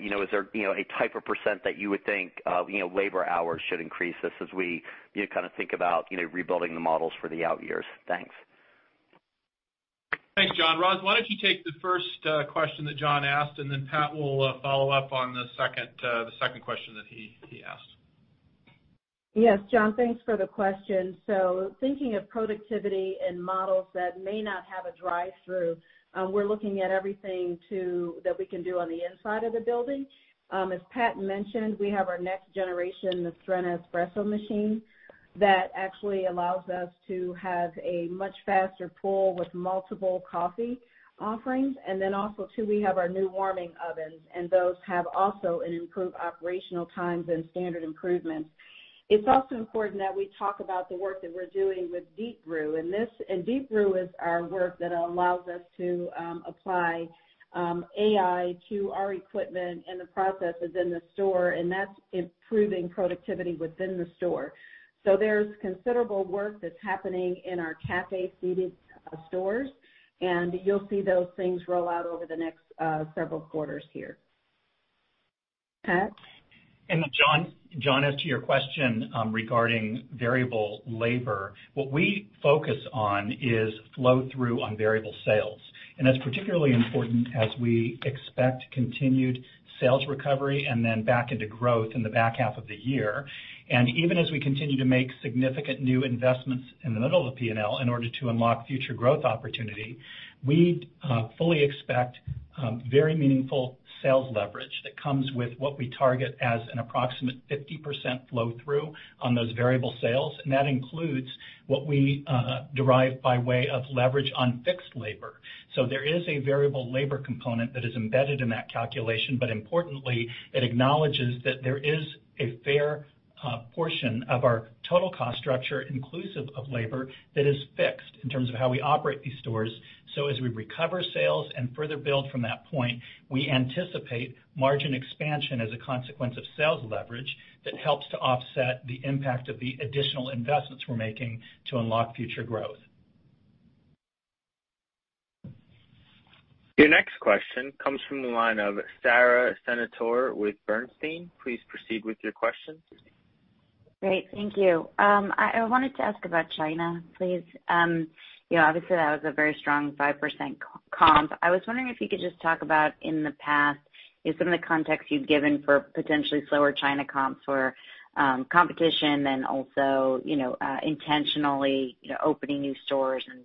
J: is there a type of % that you would think labor hours should increase as we think about rebuilding the models for the out years? Thanks.
C: Thanks, John. Roz, why don't you take the first question that John asked. Then Pat will follow up on the second question that he asked.
G: Yes, John, thanks for the question. Thinking of productivity and models that may not have a drive-thru, we're looking at everything that we can do on the inside of the building. As Pat mentioned, we have our next generation, the Mastrena espresso machine, that actually allows us to have a much faster pull with multiple coffee offerings. Also too, we have our new warming ovens, and those have also an improved operational times and standard improvements. It's also important that we talk about the work that we're doing with Deep Brew. Deep Brew is our work that allows us to apply AI to our equipment and the processes in the store, and that's improving productivity within the store. There's considerable work that's happening in our cafe seated stores, and you'll see those things roll out over the next several quarters here. Pat?
D: John, as to your question regarding variable labor, what we focus on is flow-through on variable sales. That's particularly important as we expect continued sales recovery and then back into growth in the back half of the year. Even as we continue to make significant new investments in the middle of the P&L in order to unlock future growth opportunity, we fully expect very meaningful sales leverage that comes with what we target as an approximate 50% flow-through on those variable sales. That includes what we derive by way of leverage on fixed labor. There is a variable labor component that is embedded in that calculation. Importantly, it acknowledges that there is a fair portion of our total cost structure, inclusive of labor, that is fixed in terms of how we operate these stores. As we recover sales and further build from that point, we anticipate margin expansion as a consequence of sales leverage that helps to offset the impact of the additional investments we're making to unlock future growth.
A: Your next question comes from the line of Sara Senatore with Bernstein. Please proceed with your question.
K: Great. Thank you. I wanted to ask about China, please. Obviously, that was a very strong 5% comp. I was wondering if you could just talk about in the past, some of the context you've given for potentially slower China comps were competition and also intentionally opening new stores and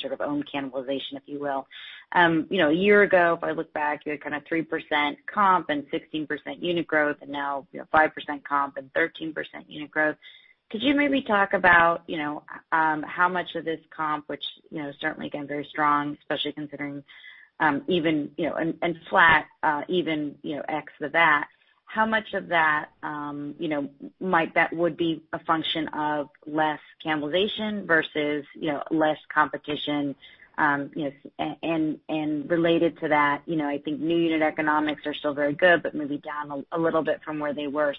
K: sort of own cannibalization, if you will. A year ago, if I look back, you had kind of 3% comp and 16% unit growth, and now 5% comp and 13% unit growth. Could you maybe talk about how much of this comp, which certainly, again, very strong, especially considering and flat even, ex the VAT, how much of that would be a function of less cannibalization versus less competition? Related to that, I think new unit economics are still very good, but maybe down a little bit from where they were.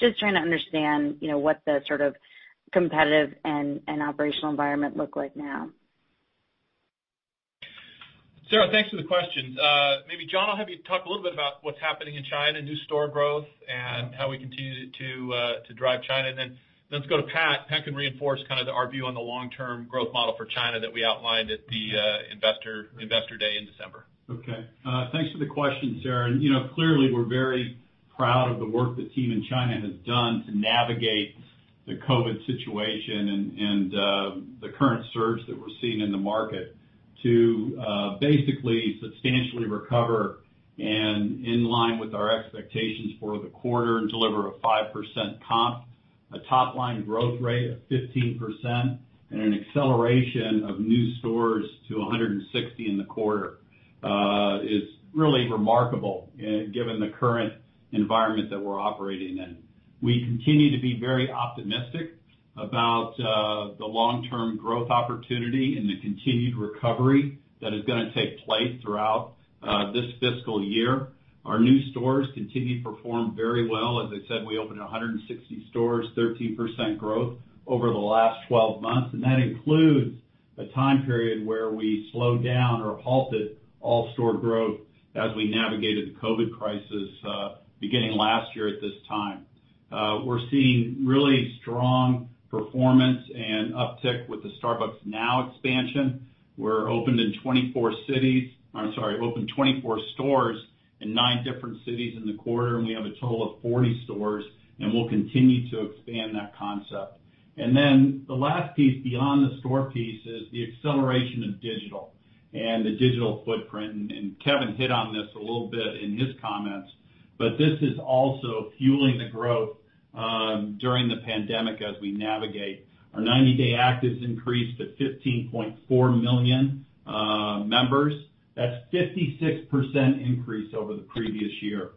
K: Just trying to understand what the sort of competitive and operational environment looks like now.
C: Sara, thanks for the question. Maybe John, I'll have you talk a little bit about what's happening in China, new store growth, and how we continue to drive China. Then let's go to Pat. Pat can reinforce kind of our view on the long-term growth model for China that we outlined at the investor day in December.
L: Okay. Thanks for the question, Sara. Clearly, we're very proud of the work the team in China has done to navigate the COVID situation and the current surge that we're seeing in the market to basically substantially recover and in line with our expectations for the quarter and deliver a 5% comp, a top-line growth rate of 15%, and an acceleration of new stores to 160 in the quarter, is really remarkable given the current environment that we're operating in. We continue to be very optimistic about the long-term growth opportunity and the continued recovery that is going to take place throughout this fiscal year. Our new stores continue to perform very well. As I said, we opened 160 stores, 13% growth over the last 12 months. That includes a time period where we slowed down or halted all store growth as we navigated the COVID crisis beginning last year at this time. We're seeing really strong performance and uptick with the Starbucks Now expansion. We opened 24 stores in nine different cities in the quarter. We have a total of 40 stores, we'll continue to expand that concept. The last piece beyond the store piece is the acceleration of digital and the digital footprint. Kevin hit on this a little bit in his comments. This is also fueling the growth during the pandemic as we navigate. Our 90-day actives increased to 15.4 million members. That's 56% increase over the previous year.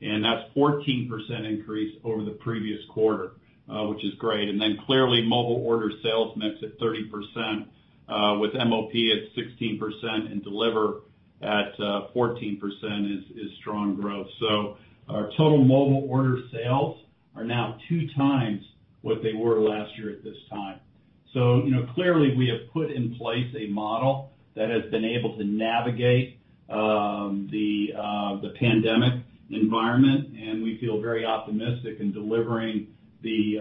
L: That's 14% increase over the previous quarter, which is great. Clearly mobile order sales mix at 30% with MOP at 16% and deliver at 14% is strong growth. Our total mobile order sales are now 2x what they were last year at this time. Clearly we have put in place a model that has been able to navigate the pandemic environment, and we feel very optimistic in delivering the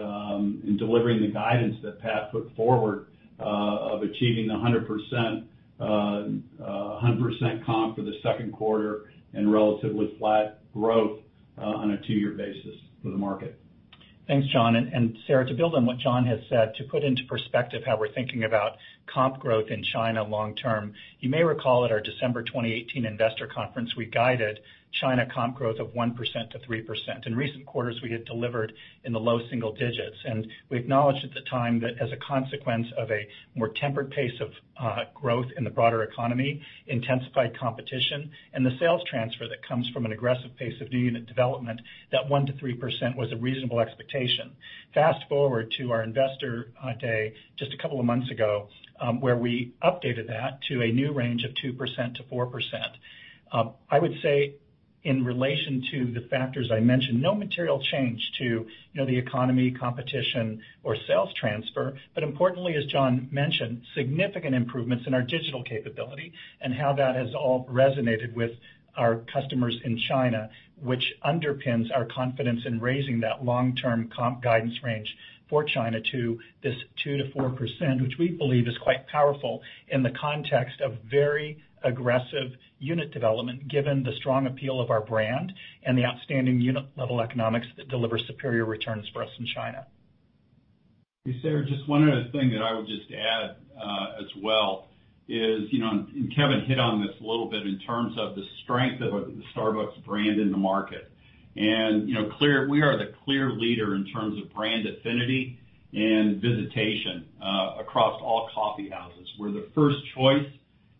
L: guidance that Pat put forward of achieving the 100% comp for the second quarter and relatively flat growth on a two-year basis for the market.
D: Thanks, John. Sara, to build on what John has said, to put into perspective how we're thinking about comp growth in China long-term. You may recall at our December 2018 investor conference, we guided China comp growth of 1%-3%. In recent quarters, we had delivered in the low single-digits, and we acknowledged at the time that as a consequence of a more tempered pace of growth in the broader economy, intensified competition, and the sales transfer that comes from an aggressive pace of new unit development, that 1%-3% was a reasonable expectation. Fast-forward to our investor day, just a couple of months ago, where we updated that to a new range of 2%-4%. I would say in relation to the factors I mentioned, no material change to the economy, competition or sales transfer, but importantly, as John mentioned, significant improvements in our digital capability and how that has all resonated with our customers in China, which underpins our confidence in raising that long-term comp guidance range for China to this 2%-4%, which we believe is quite powerful in the context of very aggressive unit development given the strong appeal of our brand and the outstanding unit level economics that deliver superior returns for us in China.
L: Hey, Sara, one other thing that I would add as well is, Kevin hit on this a little bit in terms of the strength of the Starbucks brand in the market. We are the clear leader in terms of brand affinity and visitation across all coffee houses. We're the first choice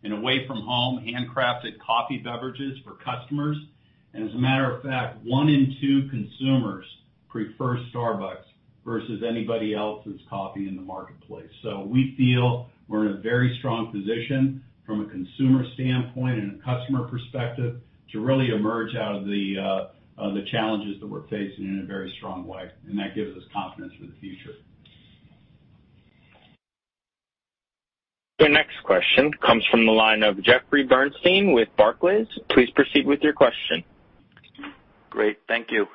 L: in away from home handcrafted coffee beverages for customers. As a matter of fact, one in two consumers prefer Starbucks versus anybody else's coffee in the marketplace. We feel we're in a very strong position from a consumer standpoint and a customer perspective to really emerge out of the challenges that we're facing in a very strong way. That gives us confidence for the future.
A: Your next question comes from the line of Jeffrey Bernstein with Barclays. Please proceed with your question.
M: Great. Thank you.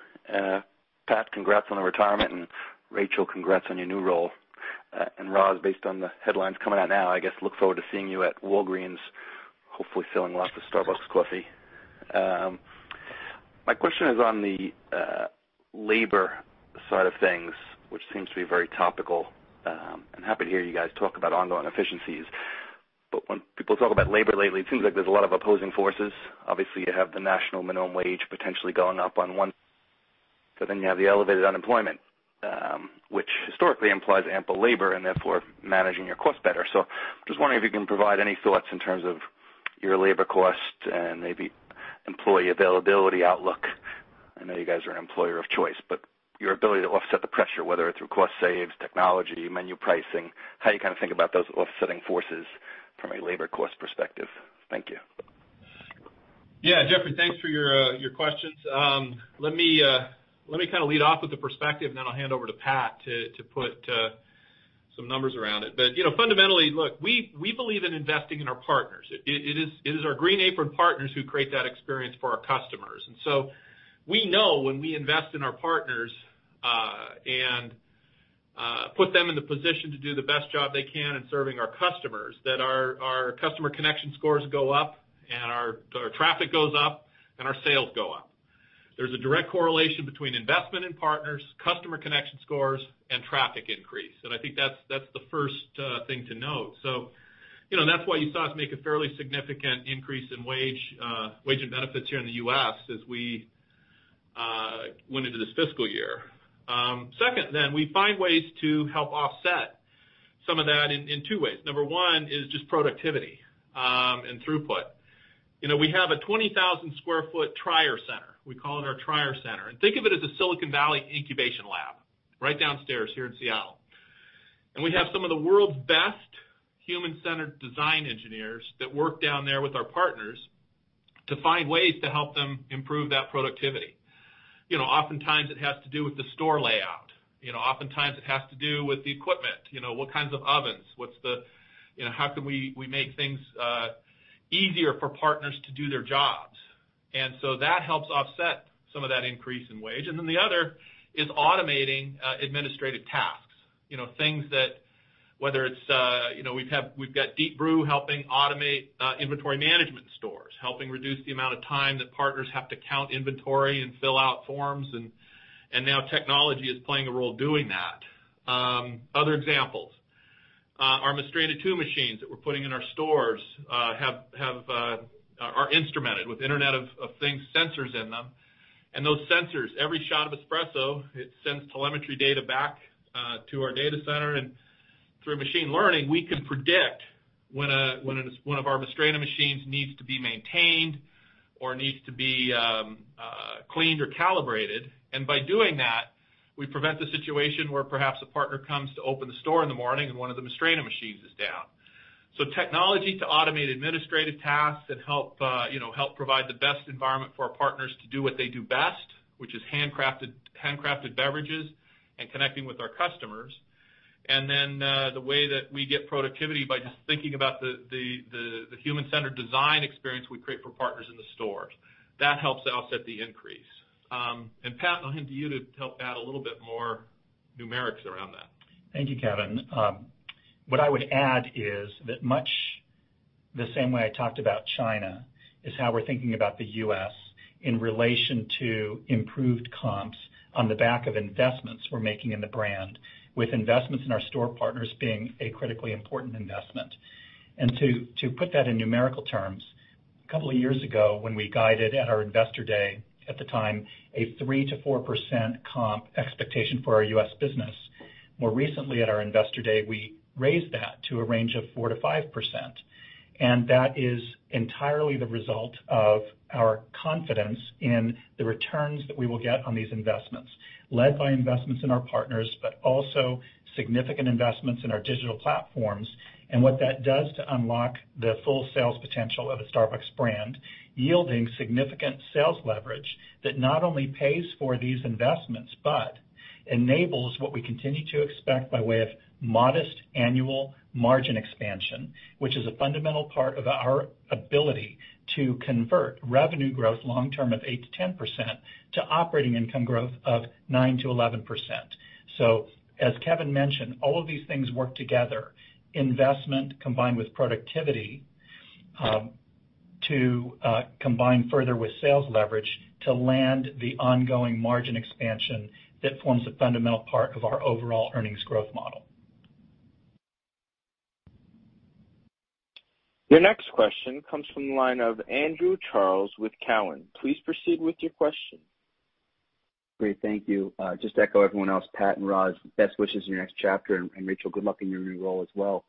M: Pat, congrats on the retirement, Rachel, congrats on your new role. Roz, based on the headlines coming out now, I guess look forward to seeing you at Walgreens, hopefully selling lots of Starbucks coffee. My question is on the labor side of things, which seems to be very topical. I'm happy to hear you guys talk about ongoing efficiencies. When people talk about labor lately, it seems like there's a lot of opposing forces. Obviously, you have the national minimum wage potentially going up on one, but then you have the elevated unemployment, which historically implies ample labor and therefore managing your costs better. Just wondering if you can provide any thoughts in terms of your labor costs and maybe employee availability outlook. I know you guys are an employer of choice, your ability to offset the pressure, whether it's through cost saves, technology, menu pricing, how you kind of think about those offsetting forces from a labor cost perspective? Thank you.
C: Jeffrey, thanks for your questions. Let me kind of lead off with the perspective, and then I'll hand over to Pat to put some numbers around it. Fundamentally, look, we believe in investing in our partners. It is our green-aproned partners who create that experience for our customers. We know when we invest in our partners, and put them in the position to do the best job they can in serving our customers, that our customer connection scores go up and our traffic goes up and our sales go up. There's a direct correlation between investment in partners, customer connection scores, and traffic increase, and I think that's the first thing to note. That's why you saw us make a fairly significant increase in wage and benefits here in the U.S. as we went into this fiscal year. Second, we find ways to help offset some of that in two ways. Number one is just productivity and throughput. We have a 20,000 sq ft Tryer Center. We call it our Tryer Center. Think of it as a Silicon Valley incubation lab right downstairs here in Seattle. We have some of the world's best human-centered design engineers that work down there with our partners to find ways to help them improve that productivity. Oftentimes it has to do with the store layout. Oftentimes it has to do with the equipment. What kinds of ovens. How can we make things easier for partners to do their jobs? That helps offset some of that increase in wage. The other is automating administrative tasks. Things that whether it's, we've got Deep Brew helping automate inventory management in stores, helping reduce the amount of time that partners have to count inventory and fill out forms, now technology is playing a role doing that. Other examples. Our Mastrena II machines that we're putting in our stores are instrumented with Internet of Things sensors in them. Those sensors, every shot of espresso, it sends telemetry data back to our data center and through machine learning, we can predict when one of our Mastrena machines needs to be maintained or needs to be cleaned or calibrated. By doing that, we prevent the situation where perhaps a partner comes to open the store in the morning and one of the Mastrena machines is down. Technology to automate administrative tasks and help provide the best environment for our partners to do what they do best, which is handcrafted beverages and connecting with our customers. The way that we get productivity by just thinking about the human-centered design experience we create for partners in the stores. That helps to offset the increase. Pat, I'll hand to you to help add a little bit more numerics around that.
D: Thank you, Kevin. What I would add is that much the same way I talked about China is how we're thinking about the U.S. in relation to improved comps on the back of investments we're making in the brand, with investments in our store partners being a critically important investment. To put that in numerical terms, a couple of years ago, when we guided at our Investor Day, at the time, a 3%-4% comp expectation for our U.S. business. More recently at our Investor Day, we raised that to a range of 4%-5%. That is entirely the result of our confidence in the returns that we will get on these investments, led by investments in our partners, but also significant investments in our digital platforms, and what that does to unlock the full sales potential of a Starbucks brand, yielding significant sales leverage that not only pays for these investments but enables what we continue to expect by way of modest annual margin expansion, which is a fundamental part of our ability to convert revenue growth long-term of 8%-10% to operating income growth of 9%-11%. As Kevin mentioned, all of these things work together, investment combined with productivity, to combine further with sales leverage to land the ongoing margin expansion that forms a fundamental part of our overall earnings growth model.
A: Your next question comes from the line of Andrew Charles with Cowen. Please proceed with your question.
N: Great. Thank you. Just echo everyone else, Pat and Roz, best wishes in your next chapter, and Rachel, good luck in your new role as well.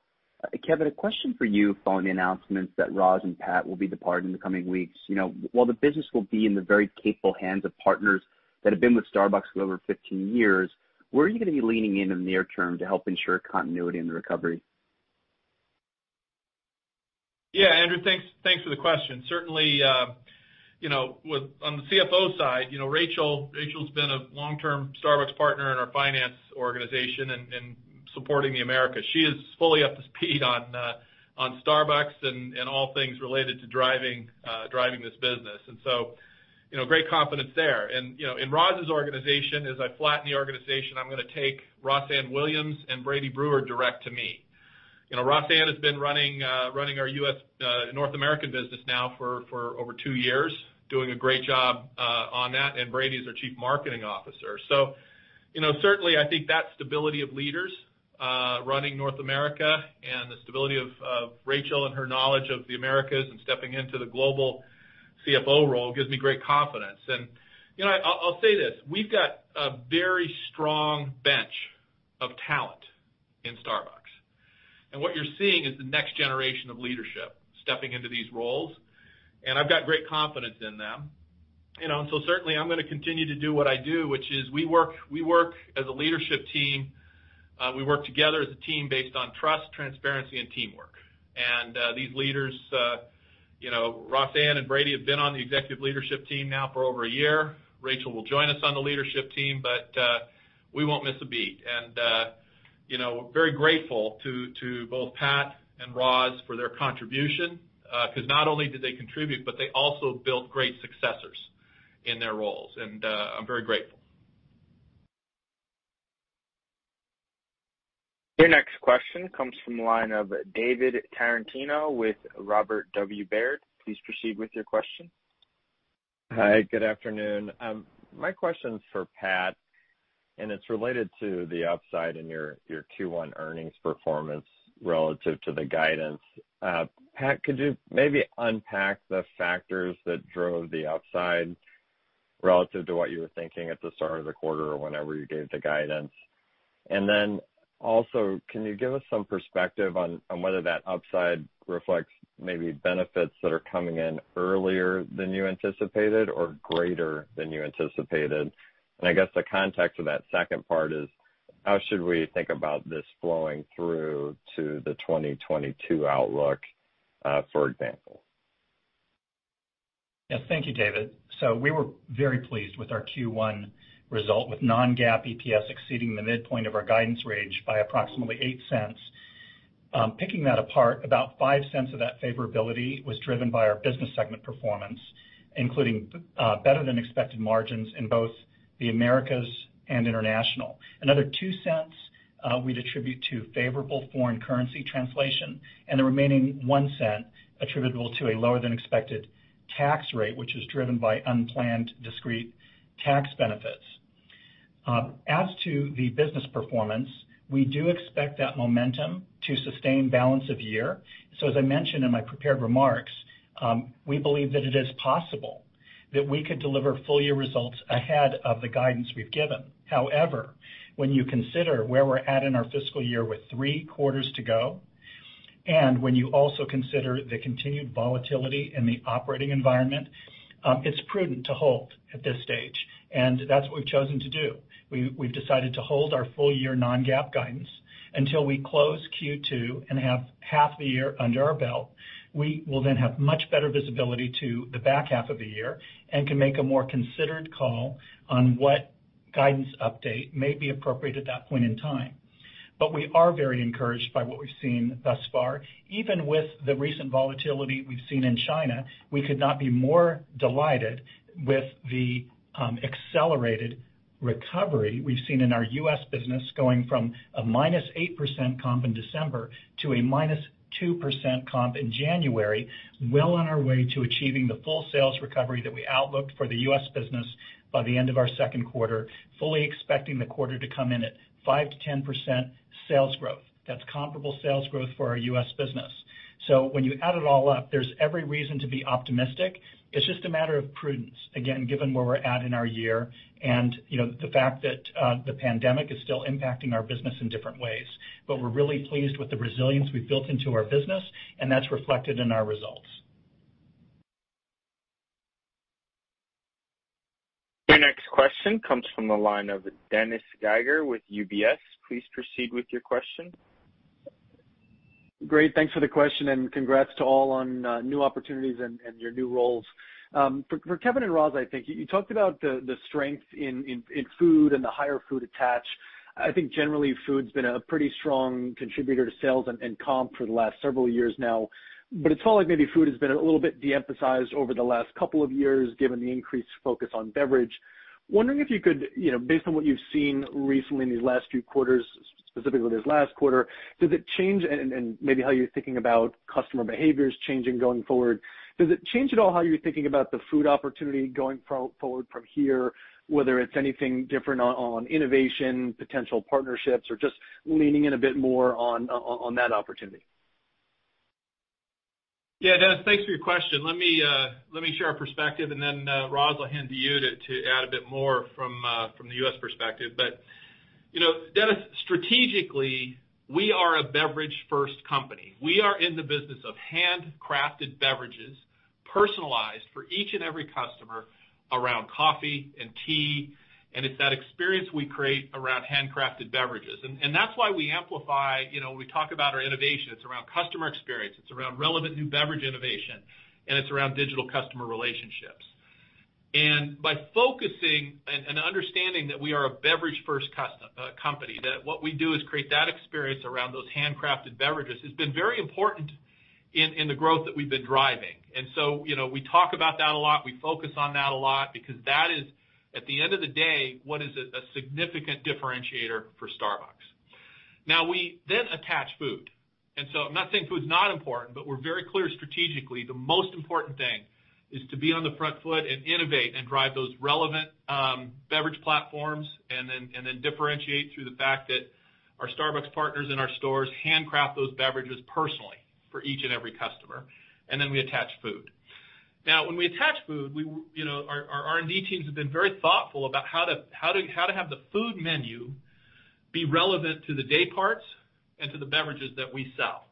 N: Kevin, a question for you following the announcements that Roz and Pat will be departing in the coming weeks. While the business will be in the very capable hands of partners that have been with Starbucks for over 15 years, where are you going to be leaning in in the near-term to help ensure continuity in the recovery?
C: Andrew. Thanks for the question. Certainly, on the CFO side, Rachel's been a long-term Starbucks partner in our finance organization and supporting the Americas. She is fully up to speed on Starbucks and all things related to driving this business. Great confidence there. In Roz's organization, as I flatten the organization, I'm going to take Rossann Williams and Brady Brewer direct to me. Rossann has been running our North American business now for over two years, doing a great job on that, and Brady is our Chief Marketing Officer. Certainly, I think that stability of leaders running North America and the stability of Rachel and her knowledge of the Americas and stepping into the Global CFO role gives me great confidence. I'll say this, we've got a very strong bench of talent in Starbucks. What you're seeing is the next generation of leadership stepping into these roles, and I've got great confidence in them. Certainly, I'm going to continue to do what I do, which is we work as a leadership team. We work together as a team based on trust, transparency, and teamwork. These leaders, Rossann and Brady have been on the executive leadership team now for over a year. Rachel will join us on the leadership team, but we won't miss a beat. We're very grateful to both Pat and Roz for their contribution, because not only did they contribute, but they also built great successors in their roles, and I'm very grateful.
A: Your next question comes from the line of David Tarantino with Robert W. Baird. Please proceed with your question.
O: Hi, good afternoon. My question's for Pat. It's related to the upside in your Q1 earnings performance relative to the guidance. Pat, could you maybe unpack the factors that drove the upside relative to what you were thinking at the start of the quarter or whenever you gave the guidance? Also, can you give us some perspective on whether that upside reflects maybe benefits that are coming in earlier than you anticipated or greater than you anticipated? I guess the context of that second part is, how should we think about this flowing through to the 2022 outlook, for example?
D: Yes. Thank you, David. We were very pleased with our Q1 result, with non-GAAP EPS exceeding the midpoint of our guidance range by approximately $0.08. Picking that apart, about $0.05 of that favorability was driven by our business segment performance, including better-than-expected margins in both the Americas and International. Another $0.02 we'd attribute to favorable foreign currency translation, and the remaining $0.01 attributable to a lower-than-expected tax rate, which is driven by unplanned discrete tax benefits. As to the business performance, we do expect that momentum to sustain balance of year. As I mentioned in my prepared remarks, we believe that it is possible that we could deliver full year results ahead of the guidance we've given. When you consider where we're at in our fiscal year with three quarters to go, and when you also consider the continued volatility in the operating environment, it's prudent to hold at this stage, and that's what we've chosen to do. We've decided to hold our full year non-GAAP guidance until we close Q2 and have half the year under our belt. We will have much better visibility to the back half of the year and can make a more considered call on what guidance update may be appropriate at that point in time. We are very encouraged by what we've seen thus far. Even with the recent volatility we've seen in China, we could not be more delighted with the accelerated recovery we've seen in our U.S. business, going from a -8% comp in December to a -2% comp in January, well on our way to achieving the full sales recovery that we outlooked for the U.S. business by the end of our second quarter, fully expecting the quarter to come in at 5%-10% sales growth. That's comparable sales growth for our U.S. business. When you add it all up, there's every reason to be optimistic. It's just a matter of prudence, again, given where we're at in our year and the fact that the pandemic is still impacting our business in different ways. We're really pleased with the resilience we've built into our business, and that's reflected in our results.
A: Your next question comes from the line of Dennis Geiger with UBS. Please proceed with your question.
P: Great. Thanks for the question and congrats to all on new opportunities and your new roles. For Kevin and Roz, I think you talked about the strength in food and the higher food attach. I think generally, food's been a pretty strong contributor to sales and comp for the last several years now. It's felt like maybe food has been a little bit de-emphasized over the last couple of years, given the increased focus on beverage. Wondering if you could, based on what you've seen recently in these last few quarters, specifically this last quarter, and maybe how you're thinking about customer behaviors changing going forward, does it change at all how you're thinking about the food opportunity going forward from here, whether it's anything different on innovation, potential partnerships, or just leaning in a bit more on that opportunity?
C: Dennis, thanks for your question. Let me share our perspective, and then Roz, I'll hand to you to add a bit more from the U.S. perspective. Dennis, strategically, we are a beverage first company. We are in the business of handcrafted beverages, personalized for each and every customer around coffee and tea, and it's that experience we create around handcrafted beverages. That's why we amplify, we talk about our innovation. It's around customer experience, it's around relevant new beverage innovation, and it's around digital customer relationships. By focusing and understanding that we are a beverage first company, that what we do is create that experience around those handcrafted beverages, has been very important in the growth that we've been driving. We talk about that a lot. We focus on that a lot because that is, at the end of the day, what is a significant differentiator for Starbucks. We then attach food. I'm not saying food's not important, but we're very clear strategically, the most important thing is to be on the front foot and innovate and drive those relevant beverage platforms, and then differentiate through the fact that our Starbucks partners in our stores handcraft those beverages personally for each and every customer. We then attach food. When we attach food, our R&D teams have been very thoughtful about how to have the food menu be relevant to the day parts and to the beverages that we sell.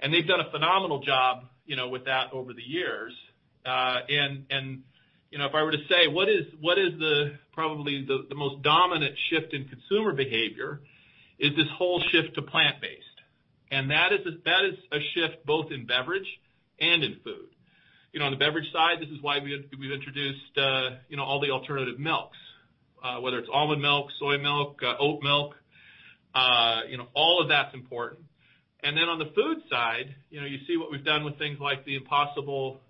C: They've done a phenomenal job with that over the years. If I were to say, what is probably the most dominant shift in consumer behavior is this whole shift to plant-based. That is a shift both in beverage and in food. On the beverage side, this is why we've introduced all the alternative milks, whether it's almond milk, soy milk, oat milk, all of that's important. Then on the food side, you see what we've done with things like the Impossible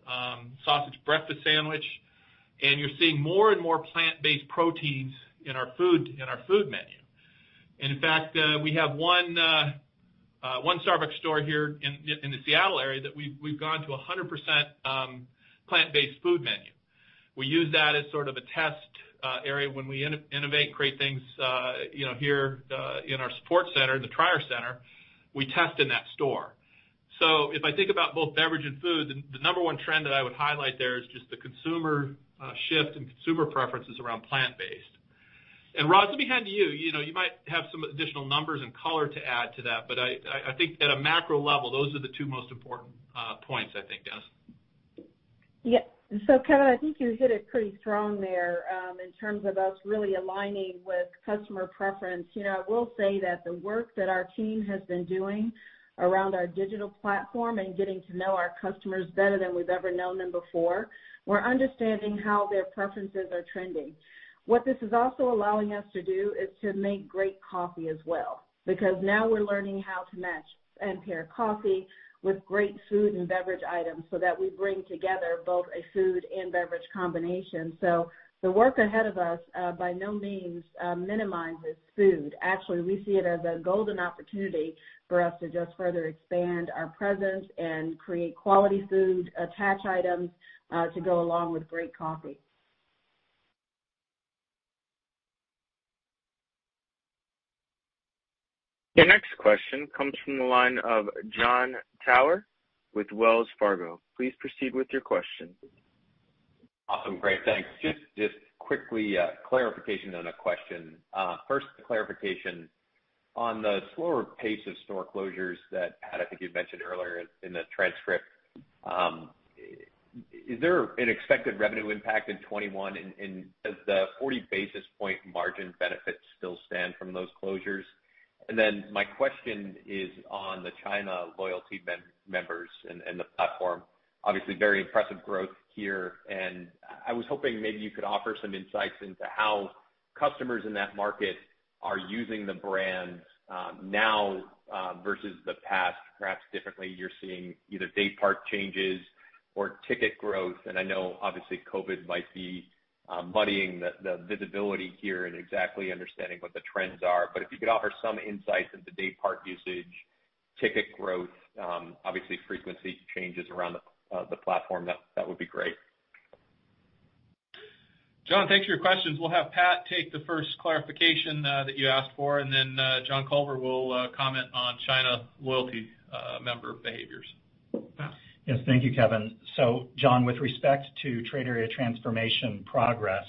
C: Breakfast Sandwich, and you're seeing more and more plant-based proteins in our food menu. In fact, we have one Starbucks store here in the Seattle area that we've gone to 100% plant-based food menu. We use that as sort of a test area when we innovate, create things here in our support center, the Tryer Center, we test in that store.
D: If I think about both beverage and food, the number one trend that I would highlight there is just the consumer shift and consumer preferences around plant-based. Roz, let me hand to you. You might have some additional numbers and color to add to that. I think at a macro level, those are the two most important points, I think, Dennis.
G: Yeah. Kevin, I think you hit it pretty strong there in terms of us really aligning with customer preference. I will say that the work that our team has been doing around our digital platform and getting to know our customers better than we've ever known them before, we're understanding how their preferences are trending. What this is also allowing us to do is to make great coffee as well, because now we're learning how to match and pair coffee with great food and beverage items so that we bring together both a food and beverage combination. The work ahead of us by no means minimizes food. Actually, we see it as a golden opportunity for us to just further expand our presence and create quality food, attach items to go along with great coffee.
A: Your next question comes from the line of Jon Tower with Wells Fargo. Please proceed with your question.
Q: Awesome. Great. Thanks. Just quickly, clarification on a question. First the clarification. On the slower pace of store closures that, Pat, I think you'd mentioned earlier in the transcript, is there an expected revenue impact in 2021, and does the 40 basis point margin benefit still stand from those closures? Then my question is on the China loyalty members and the platform. Obviously, very impressive growth here. I was hoping maybe you could offer some insights into how customers in that market are using the brands now versus the past, perhaps differently. You're seeing either daypart changes or ticket growth. I know, obviously, COVID might be muddying the visibility here and exactly understanding what the trends are. If you could offer some insights into daypart usage, ticket growth, obviously frequency changes around the platform, that would be great.
C: John, thanks for your questions. We'll have Pat take the first clarification that you asked for, and then John Culver will comment on China loyalty member behaviors. Pat?
D: Yes. Thank you, Kevin. John, with respect to Trade Area Transformation progress,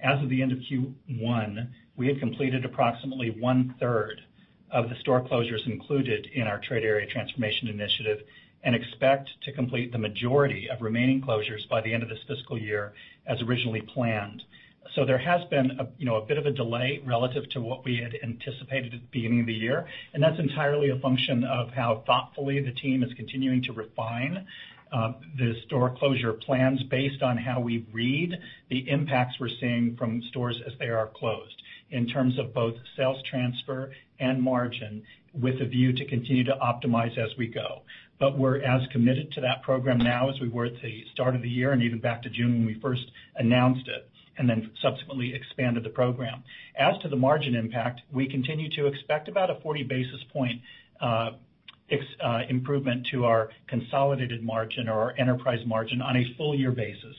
D: as of the end of Q1, we had completed approximately one-third of the store closures included in our Trade Area Transformation initiative and expect to complete the majority of remaining closures by the end of this fiscal year as originally planned. There has been a bit of a delay relative to what we had anticipated at the beginning of the year, and that's entirely a function of how thoughtfully the team is continuing to refine the store closure plans based on how we read the impacts we're seeing from stores as they are closed, in terms of both sales transfer and margin, with a view to continue to optimize as we go. We're as committed to that program now as we were at the start of the year and even back to June when we first announced it and then subsequently expanded the program. As to the margin impact, we continue to expect about a 40 basis point improvement to our consolidated margin or our enterprise margin on a full year basis.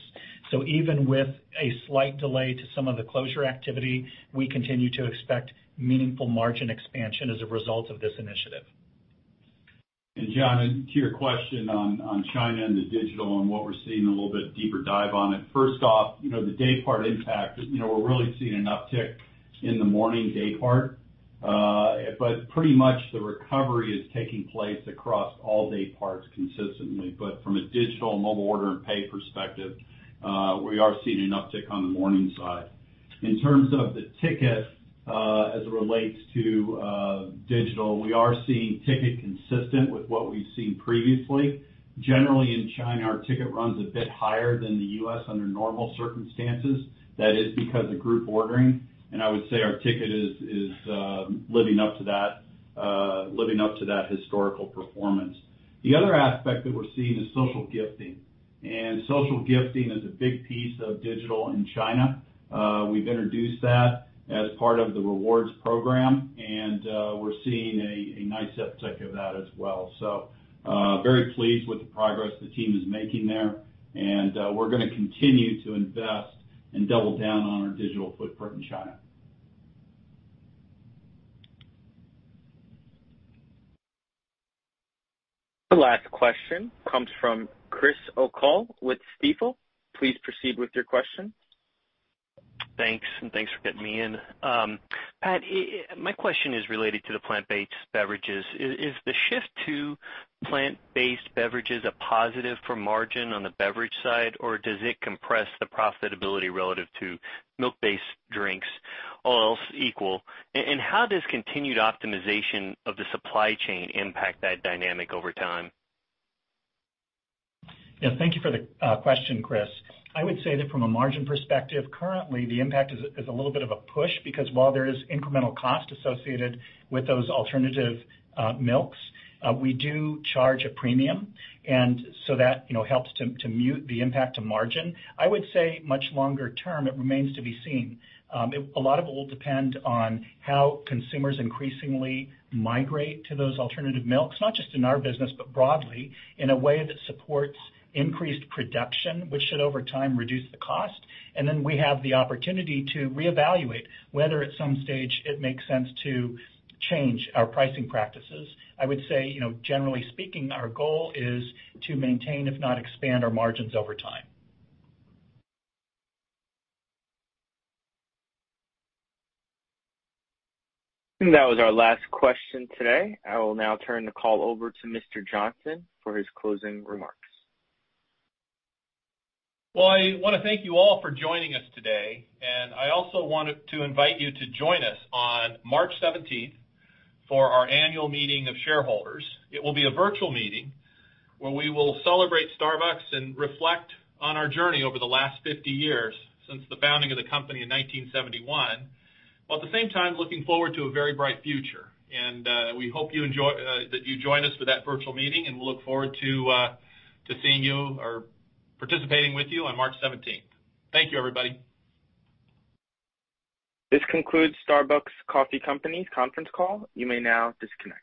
D: Even with a slight delay to some of the closure activity, we continue to expect meaningful margin expansion as a result of this initiative.
L: John, to your question on China and the digital and what we're seeing, a little bit deeper dive on it. First off, the daypart impact. We're really seeing an uptick in the morning daypart. Pretty much the recovery is taking place across all dayparts consistently. From a digital and Mobile Order & Pay perspective, we are seeing an uptick on the morning side. In terms of the ticket, as it relates to digital, we are seeing ticket consistent with what we've seen previously. Generally, in China, our ticket runs a bit higher than the U.S. under normal circumstances. That is because of group ordering, and I would say our ticket is living up to that historical performance. The other aspect that we're seeing is social gifting. Social gifting is a big piece of digital in China. We've introduced that as part of the Starbucks Rewards program, and we're seeing a nice uptick of that as well. Very pleased with the progress the team is making there, and we're going to continue to invest and double down on our digital footprint in China.
A: The last question comes from Chris O'Cull with Stifel. Please proceed with your question.
R: Thanks, and thanks for getting me in. Pat, my question is related to the plant-based beverages. Is the shift to plant-based beverages a positive for margin on the beverage side, or does it compress the profitability relative to milk-based drinks, all else equal? How does continued optimization of the supply chain impact that dynamic over time?
D: Yeah. Thank you for the question, Chris. I would say that from a margin perspective, currently, the impact is a little bit of a push because while there is incremental cost associated with those alternative milks, we do charge a premium. That helps to mute the impact to margin. I would say much longer-term, it remains to be seen. A lot of it will depend on how consumers increasingly migrate to those alternative milks, not just in our business, but broadly, in a way that supports increased production, which should over time reduce the cost. Then we have the opportunity to reevaluate whether at some stage it makes sense to change our pricing practices. I would say, generally speaking, our goal is to maintain, if not expand our margins over time.
A: I think that was our last question today. I will now turn the call over to Mr. Johnson for his closing remarks.
C: Well, I want to thank you all for joining us today, and I also want to invite you to join us on March 17th for our annual meeting of shareholders. It will be a virtual meeting where we will celebrate Starbucks and reflect on our journey over the last 50 years since the founding of the company in 1971, while at the same time, looking forward to a very bright future. We hope that you join us for that virtual meeting, and we'll look forward to seeing you or participating with you on March 17th. Thank you, everybody.
A: This concludes Starbucks Coffee Company's conference call. You may now disconnect.